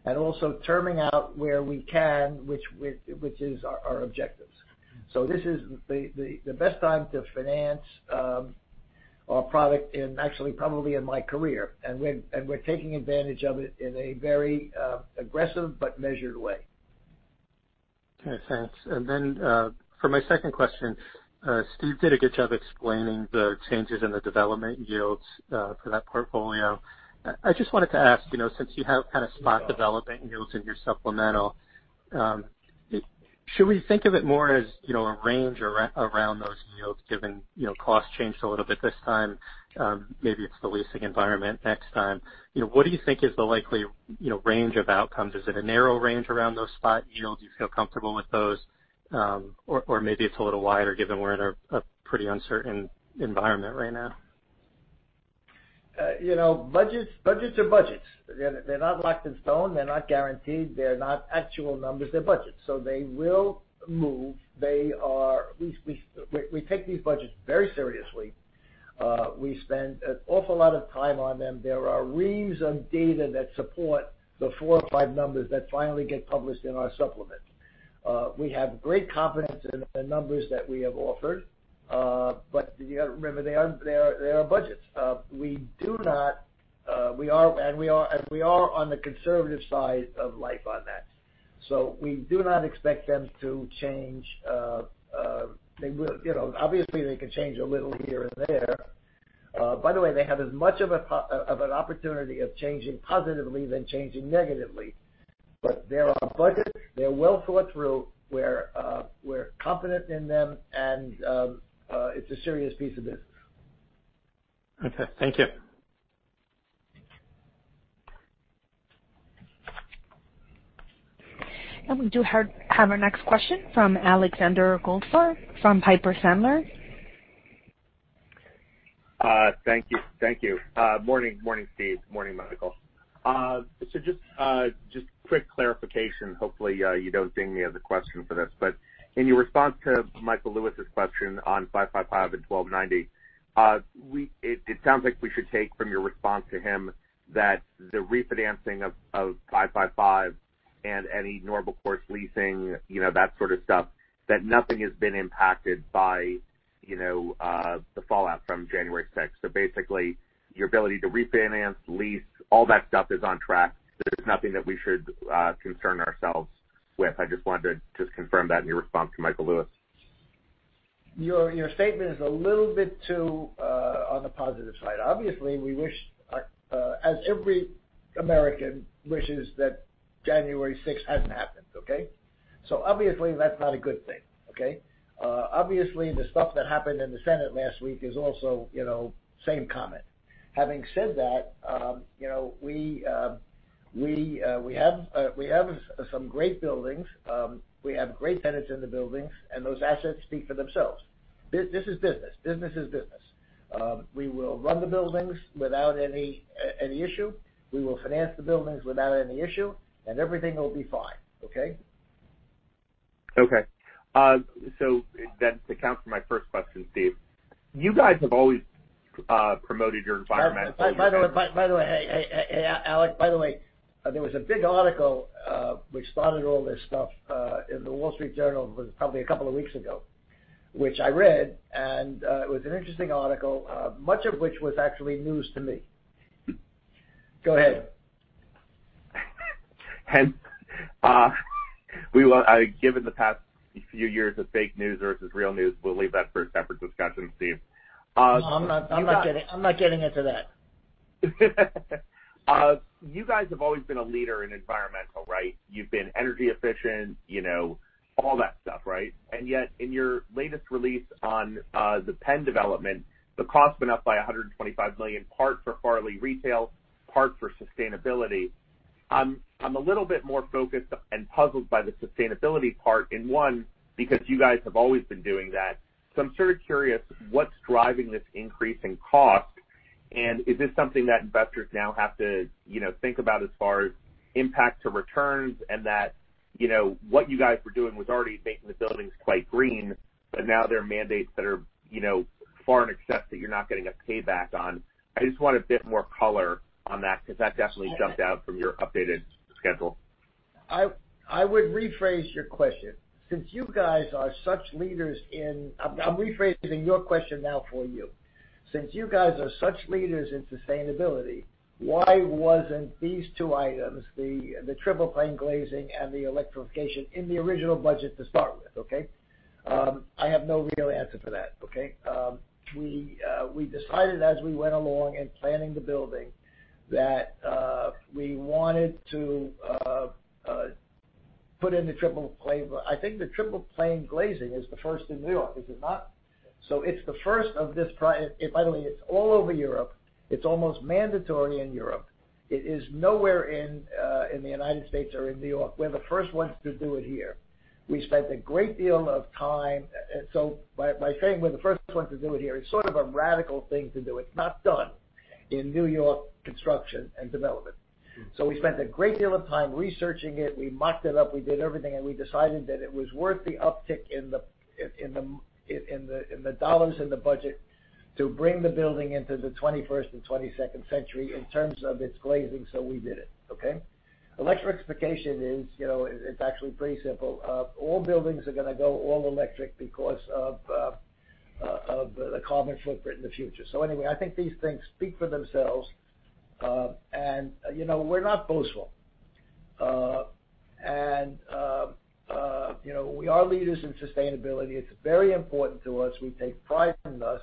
and also terming out where we can, which is our objectives. This is the best time to finance our product in actually probably in my career. We're taking advantage of it in a very aggressive but measured way. Okay, thanks. For my second question, Steve did a good job explaining the changes in the development yields for that portfolio. I just wanted to ask, since you have kind of spot development yields in your supplemental, should we think of it more as a range around those yields given cost changed a little bit this time, maybe it's the leasing environment next time. What do you think is the likely range of outcomes? Is it a narrow range around those spot yields? Do you feel comfortable with those? Maybe it's a little wider given we're in a pretty uncertain environment right now. Budgets are budgets. They're not locked in stone. They're not guaranteed. They're not actual numbers. They're budgets, so they will move. We take these budgets very seriously. We spend an awful lot of time on them. There are reams of data that support the four or five numbers that finally get published in our supplement. We have great confidence in the numbers that we have offered. You got to remember, they are budgets. We are on the conservative side of life on that. We do not expect them to change. Obviously, they can change a little here and there. By the way, they have as much of an opportunity of changing positively than changing negatively. They're our budgets. They're well thought through. We're confident in them, and it's a serious piece of business. Okay. Thank you. We do have our next question from Alexander Goldfarb from Piper Sandler. Thank you. Morning, Steve. Morning, Michael. Just quick clarification. Hopefully, you don't ding me as a question for this, but in your response to Michael Lewis' question on 555 and 1290, it sounds like we should take from your response to him that the refinancing of 555 and any normal course leasing, that sort of stuff, that nothing has been impacted by the fallout from January 6th. Basically, your ability to refinance, lease, all that stuff is on track. There's nothing that we should concern ourselves with. I just wanted to just confirm that in your response to Michael Lewis. Your statement is a little bit too on the positive side. We wish, as every American wishes, that January 6 hadn't happened, okay? That's not a good thing, okay? The stuff that happened in the Senate last week is also same comment. Having said that, we have some great buildings, we have great tenants in the buildings, and those assets speak for themselves. This is business. Business is business. We will run the buildings without any issue. We will finance the buildings without any issue. Everything will be fine. Okay? Okay. To account for my first question, Steve, you guys have always promoted your environmental- By the way, hey, Alex. By the way, there was a big article which spotted all this stuff in The Wall Street Journal, it was probably a couple of weeks ago, which I read, and it was an interesting article, much of which was actually news to me. Go ahead. Given the past few years of fake news versus real news, we'll leave that for a separate discussion, Steve. No, I'm not getting into that. You guys have always been a leader in environmental, right? You've been energy efficient, all that stuff, right? Yet, in your latest release on the PENN development, the cost went up by $125 million, part for Farley retail, part for sustainability. I'm a little bit more focused and puzzled by the sustainability part, one, because you guys have always been doing that. I'm sort of curious what's driving this increase in cost, is this something that investors now have to think about as far as impact to returns and that what you guys were doing was already making the buildings quite green, but now there are mandates that are far in excess that you're not getting a payback on. I just want a bit more color on that, because that definitely jumped out from your updated schedule. I would rephrase your question. I'm rephrasing your question now for you. Since you guys are such leaders in sustainability, why wasn't these two items, the triple-pane glazing and the electrification, in the original budget to start with, okay? I have no real answer for that. We decided as we went along in planning the building that we wanted to put in the triple pane. I think the triple-pane glazing is the first in New York. Is it not? It's the first of this. By the way, it's all over Europe. It's almost mandatory in Europe. It is nowhere in the United States or in New York. We're the first ones to do it here. We spent a great deal of time. By saying we're the first ones to do it here, it's sort of a radical thing to do. It's not done in New York construction and development. We spent a great deal of time researching it. We mocked it up, we did everything, and we decided that it was worth the uptick in the dollars in the budget to bring the building into the 21st and 22nd century in terms of its glazing. We did it. Electrification is actually pretty simple. All buildings are going to go all electric because of the carbon footprint in the future. Anyway, I think these things speak for themselves. We're not boastful. We are leaders in sustainability. It's very important to us. We take pride in it.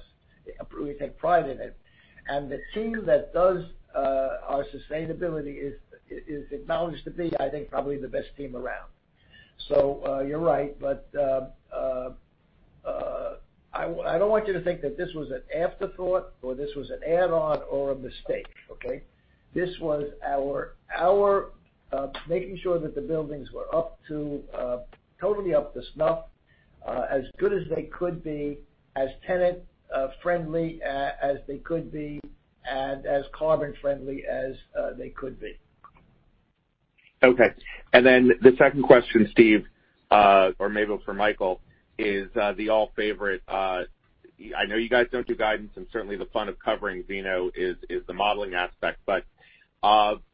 The team that does our sustainability is acknowledged to be, I think, probably the best team around. You're right, but I don't want you to think that this was an afterthought or this was an add-on or a mistake. This was our making sure that the buildings were totally up to snuff, as good as they could be, as tenant-friendly as they could be, and as carbon-friendly as they could be. Okay. The second question, Steve or maybe for Michael, is the all favorite. I know you guys don't do guidance, and certainly the fun of covering VNO is the modeling aspect.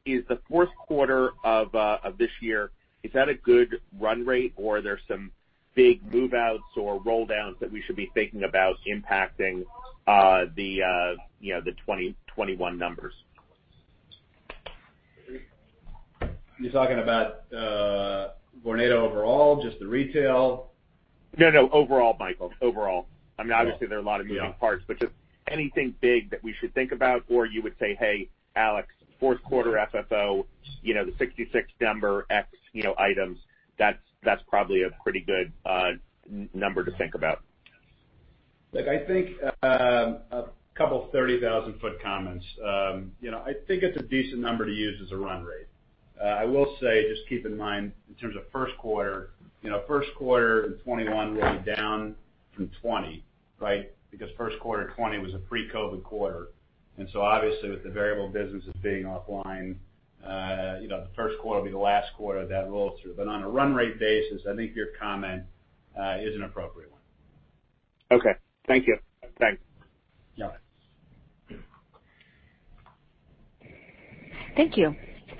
Is the fourth quarter of this year, is that a good run rate or are there some big move-outs or roll downs that we should be thinking about impacting the 2021 numbers? You're talking about Vornado overall? Just the retail? No, no, overall, Michael. Overall. Obviously there are a lot of moving parts, but just anything big that we should think about, or you would say, "Hey, Alex, fourth quarter FFO, the 66 number X items, that's probably a pretty good number to think about"? Look, I think a couple 30,000 ft comments. I think it's a decent number to use as a run rate. I will say, just keep in mind in terms of first quarter, first quarter in 2021 will be down from 2020. First quarter 2020 was a pre-COVID quarter. Obviously with the variable businesses being offline, the first quarter will be the last quarter of that roll-through. On a run rate basis, I think your comment is an appropriate one. Okay. Thank you. Thanks. Thank you.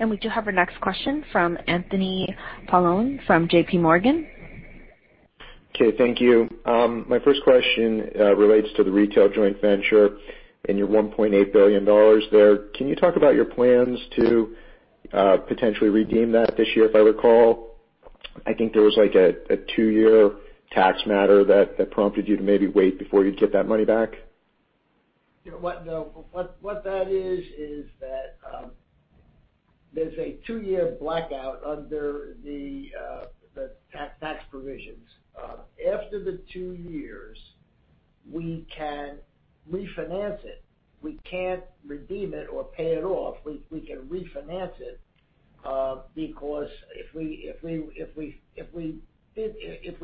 We do have our next question from Anthony Paolone from JPMorgan. Okay. Thank you. My first question relates to the retail joint venture and your $1.8 billion there. Can you talk about your plans to potentially redeem that this year, if I recall? I think there was a two-year tax matter that prompted you to maybe wait before you'd get that money back. What that is that there's a two-year blackout under the tax provisions. After the two years, we can refinance it. We can't redeem it or pay it off. We can refinance it. Because if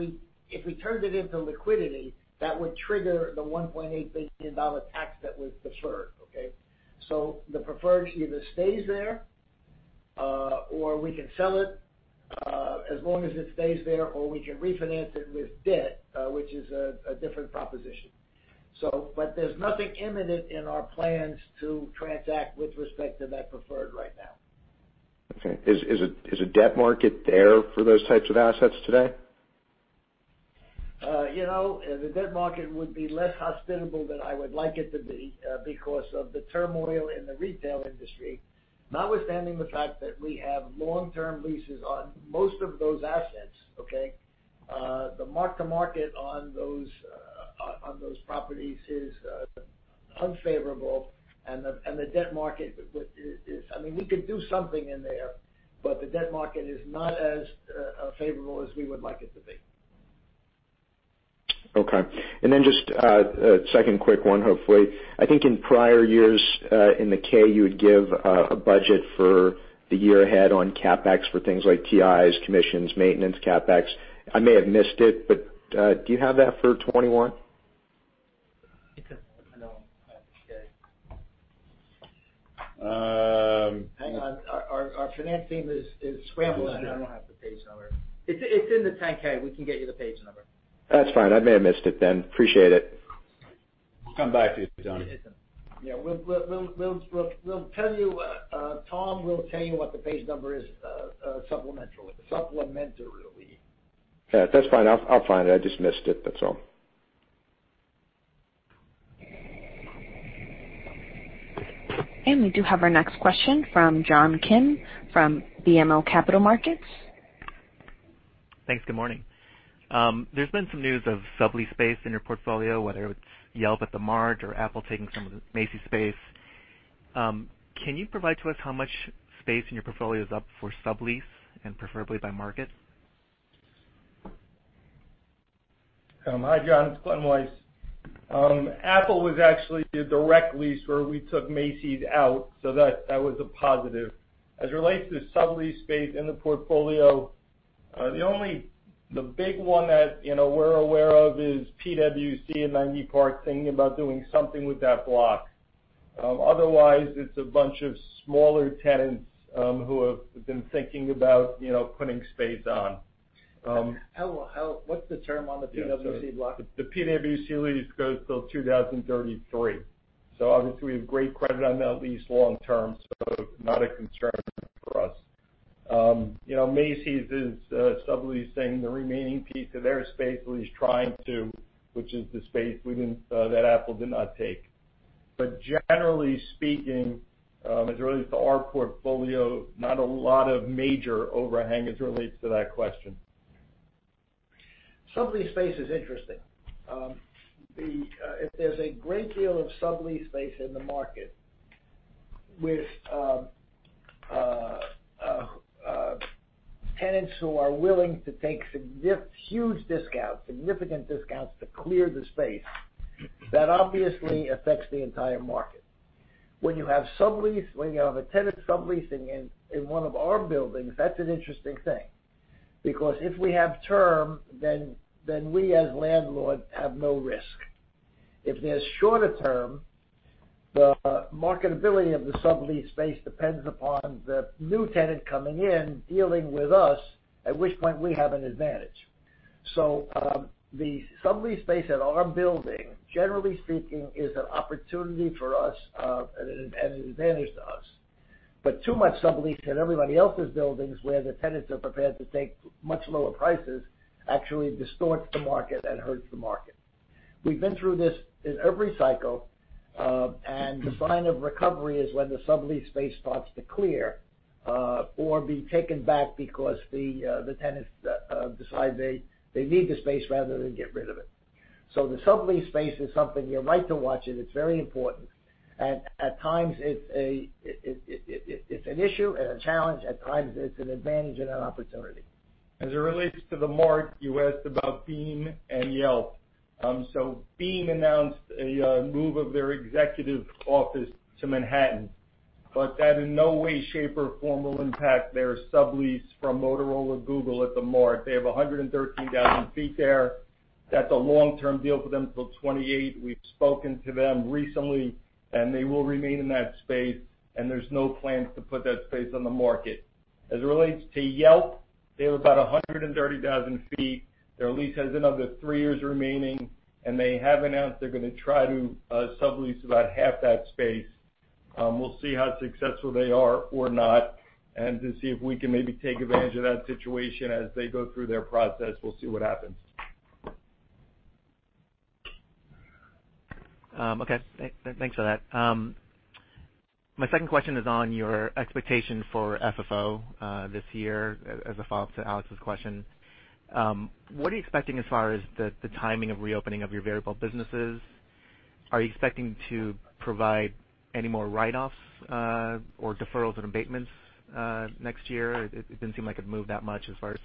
we turned it into liquidity, that would trigger the $1.8 billion tax that was deferred. The preferred either stays there, or we can sell it, as long as it stays there, or we can refinance it with debt, which is a different proposition. There's nothing imminent in our plans to transact with respect to that preferred right now. Okay. Is a debt market there for those types of assets today? The debt market would be less hospitable than I would like it to be because of the turmoil in the retail industry. Notwithstanding the fact that we have long-term leases on most of those assets. The mark-to-market on those properties is unfavorable. We could do something in there. The debt market is not as favorable as we would like it to be. Okay. Then just a second quick one, hopefully. I think in prior years, in the K, you would give a budget for the year ahead on CapEx for things like TIs, commissions, maintenance, CapEx. I may have missed it, but do you have that for 2021? Hang on. Our finance team is scrambling. I don't have the page number. It's in the 10-K. We can get you the page number. That's fine. I may have missed it then. Appreciate it. We'll come back to you, Tony. Yeah. Tom will tell you what the page number is supplementarily. Yeah, that's fine. I'll find it. I just missed it, that's all. We do have our next question from John Kim from BMO Capital Markets. Thanks. Good morning. There's been some news of sublease space in your portfolio, whether it's Yelp at THE MART or Apple taking some of the Macy's space. Can you provide to us how much space in your portfolio is up for sublease, and preferably by market? Hi, John, it's Glen Weiss. Apple was actually a direct lease where we took Macy's out, so that was a positive. As it relates to sublease space in the portfolio, the big one that we're aware of is PwC in 90 Park thinking about doing something with that block. Otherwise, it's a bunch of smaller tenants who have been thinking about putting space on. What's the term on the PwC block? The PwC lease goes till 2033. Obviously we have great credit on that lease long term, so not a concern for us. Macy's is subleasing the remaining piece of their space, or at least trying to, which is the space that Apple did not take. Generally speaking, as it relates to our portfolio, not a lot of major overhang as it relates to that question. Sublease space is interesting. If there's a great deal of sublease space in the market with tenants who are willing to take huge discounts, significant discounts to clear the space, that obviously affects the entire market. When you have a tenant subleasing in one of our buildings, that's an interesting thing, because if we have term, then we, as landlord, have no risk. If they're shorter term, the marketability of the sublease space depends upon the new tenant coming in, dealing with us, at which point we have an advantage. The sublease space at our building, generally speaking, is an opportunity for us, and an advantage to us. Too much sublease in everybody else's buildings, where the tenants are prepared to take much lower prices, actually distorts the market and hurts the market. We've been through this in every cycle, and the sign of recovery is when the sublease space starts to clear or be taken back because the tenants decide they need the space rather than get rid of it. The sublease space is something you're right to watch, and it's very important. At times, it's an issue and a challenge. At times, it's an advantage and an opportunity. As it relates to THE MART, you asked about Beam and Yelp. Beam announced a move of their executive office to Manhattan. That in no way, shape, or form will impact their sublease from Motorola Google at THE MART. They have 113,000 ft there. That's a long-term deal for them till 2028. We've spoken to them recently, and they will remain in that space, and there's no plans to put that space on the market. As it relates to Yelp, they have about 130,000 ft. Their lease has another three years remaining, and they have announced they're going to try to sublease about half that space. We'll see how successful they are or not, and to see if we can maybe take advantage of that situation as they go through their process. We'll see what happens. Okay. Thanks for that. My second question is on your expectation for FFO this year, as a follow-up to Alex's question. What are you expecting as far as the timing of reopening of your variable businesses? Are you expecting to provide any more write-offs or deferrals and abatements next year? It didn't seem like it moved that much as far as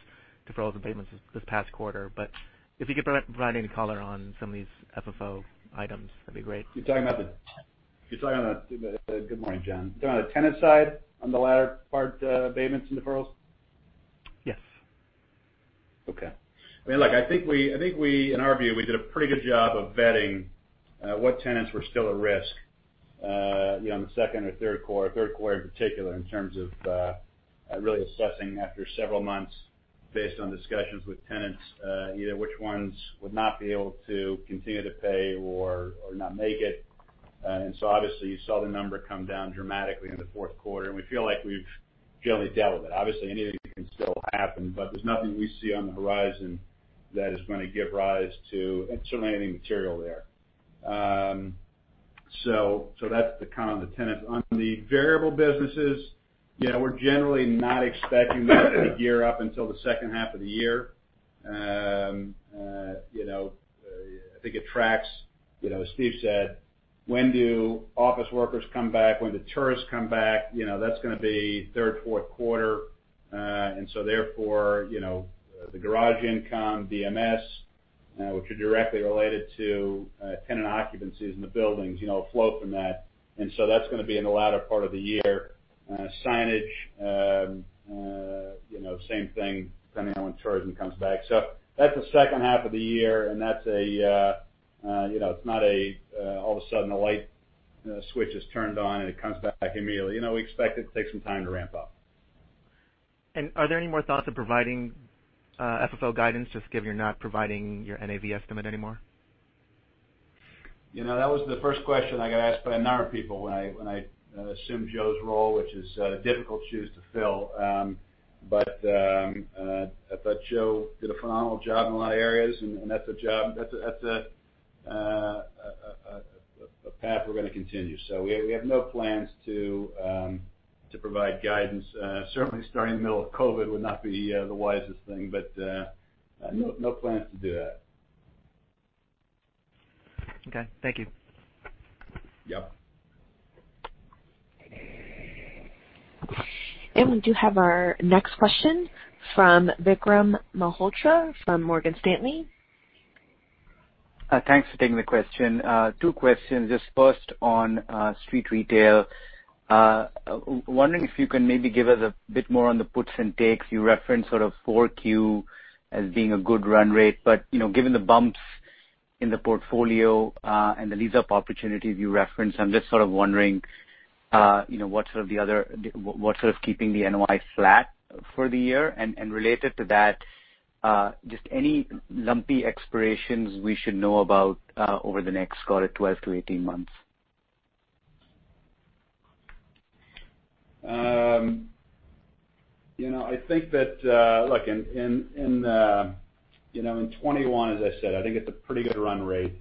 deferrals and abatements this past quarter. If you could provide any color on some of these FFO items, that'd be great. Good morning, John. You're talking on the tenant side on the latter part, abatements and deferrals? Yes. Okay. I mean, look, I think we, in our view, we did a pretty good job of vetting what tenants were still at risk on the second or third quarter, third quarter in particular, in terms of really assessing after several months based on discussions with tenants, which ones would not be able to continue to pay or not make it. Obviously you saw the number come down dramatically in the fourth quarter, and we feel like we've generally dealt with it. Obviously, anything can still happen, but there's nothing we see on the horizon that is going to give rise to certainly anything material there. That's the count of the tenant. On the variable businesses, we're generally not expecting that to gear up until the second half of the year. I think it tracks, as Steve said, when do office workers come back? When do tourists come back? That's going to be third, fourth quarter. Therefore, the garage income, BMS, which are directly related to tenant occupancies in the buildings, flow from that. That's going to be in the latter part of the year. Signage, same thing, depending on when tourism comes back. That's the second half of the year, and it's not all of a sudden, a light switch is turned on, and it comes back immediately. We expect it to take some time to ramp up. Are there any more thoughts on providing FFO guidance, just given you're not providing your NAV estimate anymore? That was the first question I got asked by a number of people when I assumed Joe's role, which is difficult shoes to fill. I thought Joe did a phenomenal job in a lot of areas, and that's a path we're going to continue. We have no plans to provide guidance. Certainly starting in the middle of COVID would not be the wisest thing, but no plans to do that. Okay. Thank you. Yep. We do have our next question from Vikram Malhotra from Morgan Stanley. Thanks for taking the question. Two questions. Just first on street retail. Wondering if you can maybe give us a bit more on the puts and takes. You referenced sort of 4Q as being a good run rate, but given the bumps in the portfolio, and the lease-up opportunities you referenced, I'm just sort of wondering what sort of keeping the NOI flat for the year, and related to that, just any lumpy expirations we should know about over the next call in 12-18 months? I think that, look, in 2021, as I said, I think it's a pretty good run rate.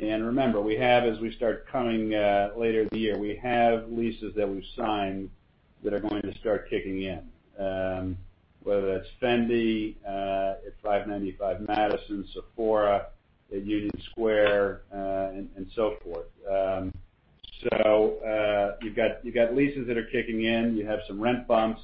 Remember, as we start coming later in the year, we have leases that we've signed that are going to start kicking in, whether that's Fendi at 595 Madison, Sephora at Union Square, and so forth. You've got leases that are kicking in, you have some rent bumps,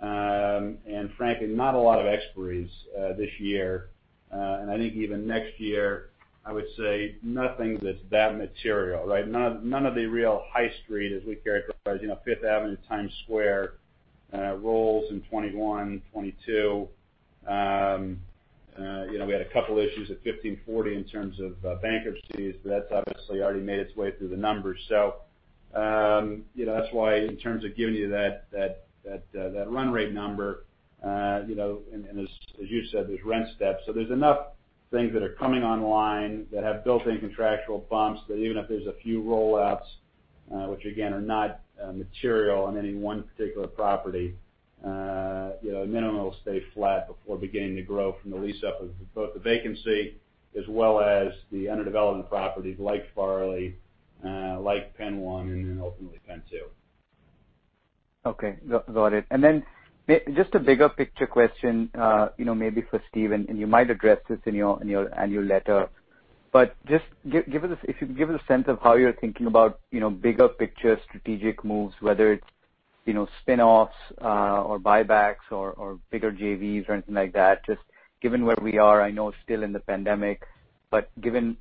and frankly, not a lot of expiries this year. I think even next year, I would say nothing that's that material, right? None of the real high street as we characterize, Fifth Avenue, Times Square, rolls in 2021, 2022. We had a couple issues at 1540 in terms of bankruptcies, but that's obviously already made its way through the numbers. That's why in terms of giving you that run rate number, and as you said, there's rent steps. There's enough things that are coming online that have built-in contractual bumps that even if there's a few rollouts, which again, are not material on any one particular property, minimal stay flat before beginning to grow from the lease-up of both the vacancy as well as the under-development properties like Farley, like PENN 1, and then ultimately PENN 2. Okay. Got it. Just a bigger picture question maybe for Steve, you might address this in your annual letter. If you could give us a sense of how you're thinking about bigger picture strategic moves, whether it's spin-offs or buybacks or bigger JVs or anything like that, just given where we are, I know still in the pandemic, but given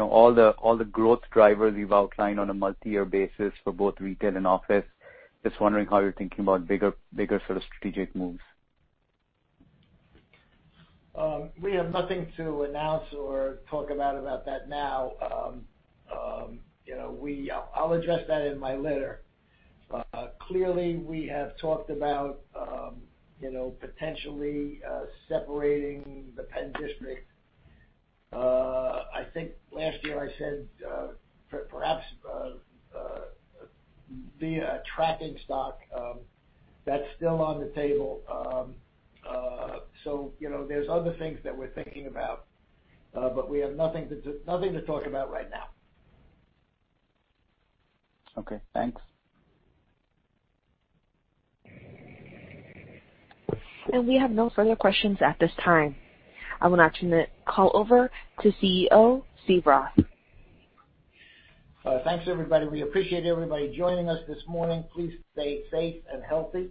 all the growth drivers you've outlined on a multi-year basis for both retail and office, just wondering how you're thinking about bigger sort of strategic moves. We have nothing to announce or talk about that now. I'll address that in my letter. Clearly, we have talked about potentially separating the PENN District. I think last year I said perhaps via a tracking stock. That's still on the table. There's other things that we're thinking about, but we have nothing to talk about right now. Okay, thanks. We have no further questions at this time. I will now turn the call over to CEO, Steve Roth. Thanks, everybody. We appreciate everybody joining us this morning. Please stay safe and healthy.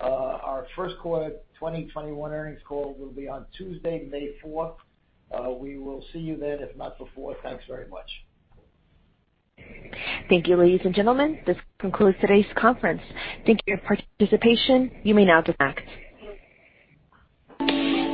Our first quarter 2021 earnings call will be on Tuesday, May 4th. We will see you then, if not before. Thanks very much. Thank you, ladies and gentlemen. This concludes today's conference. Thank you for your participation. You may now disconnect.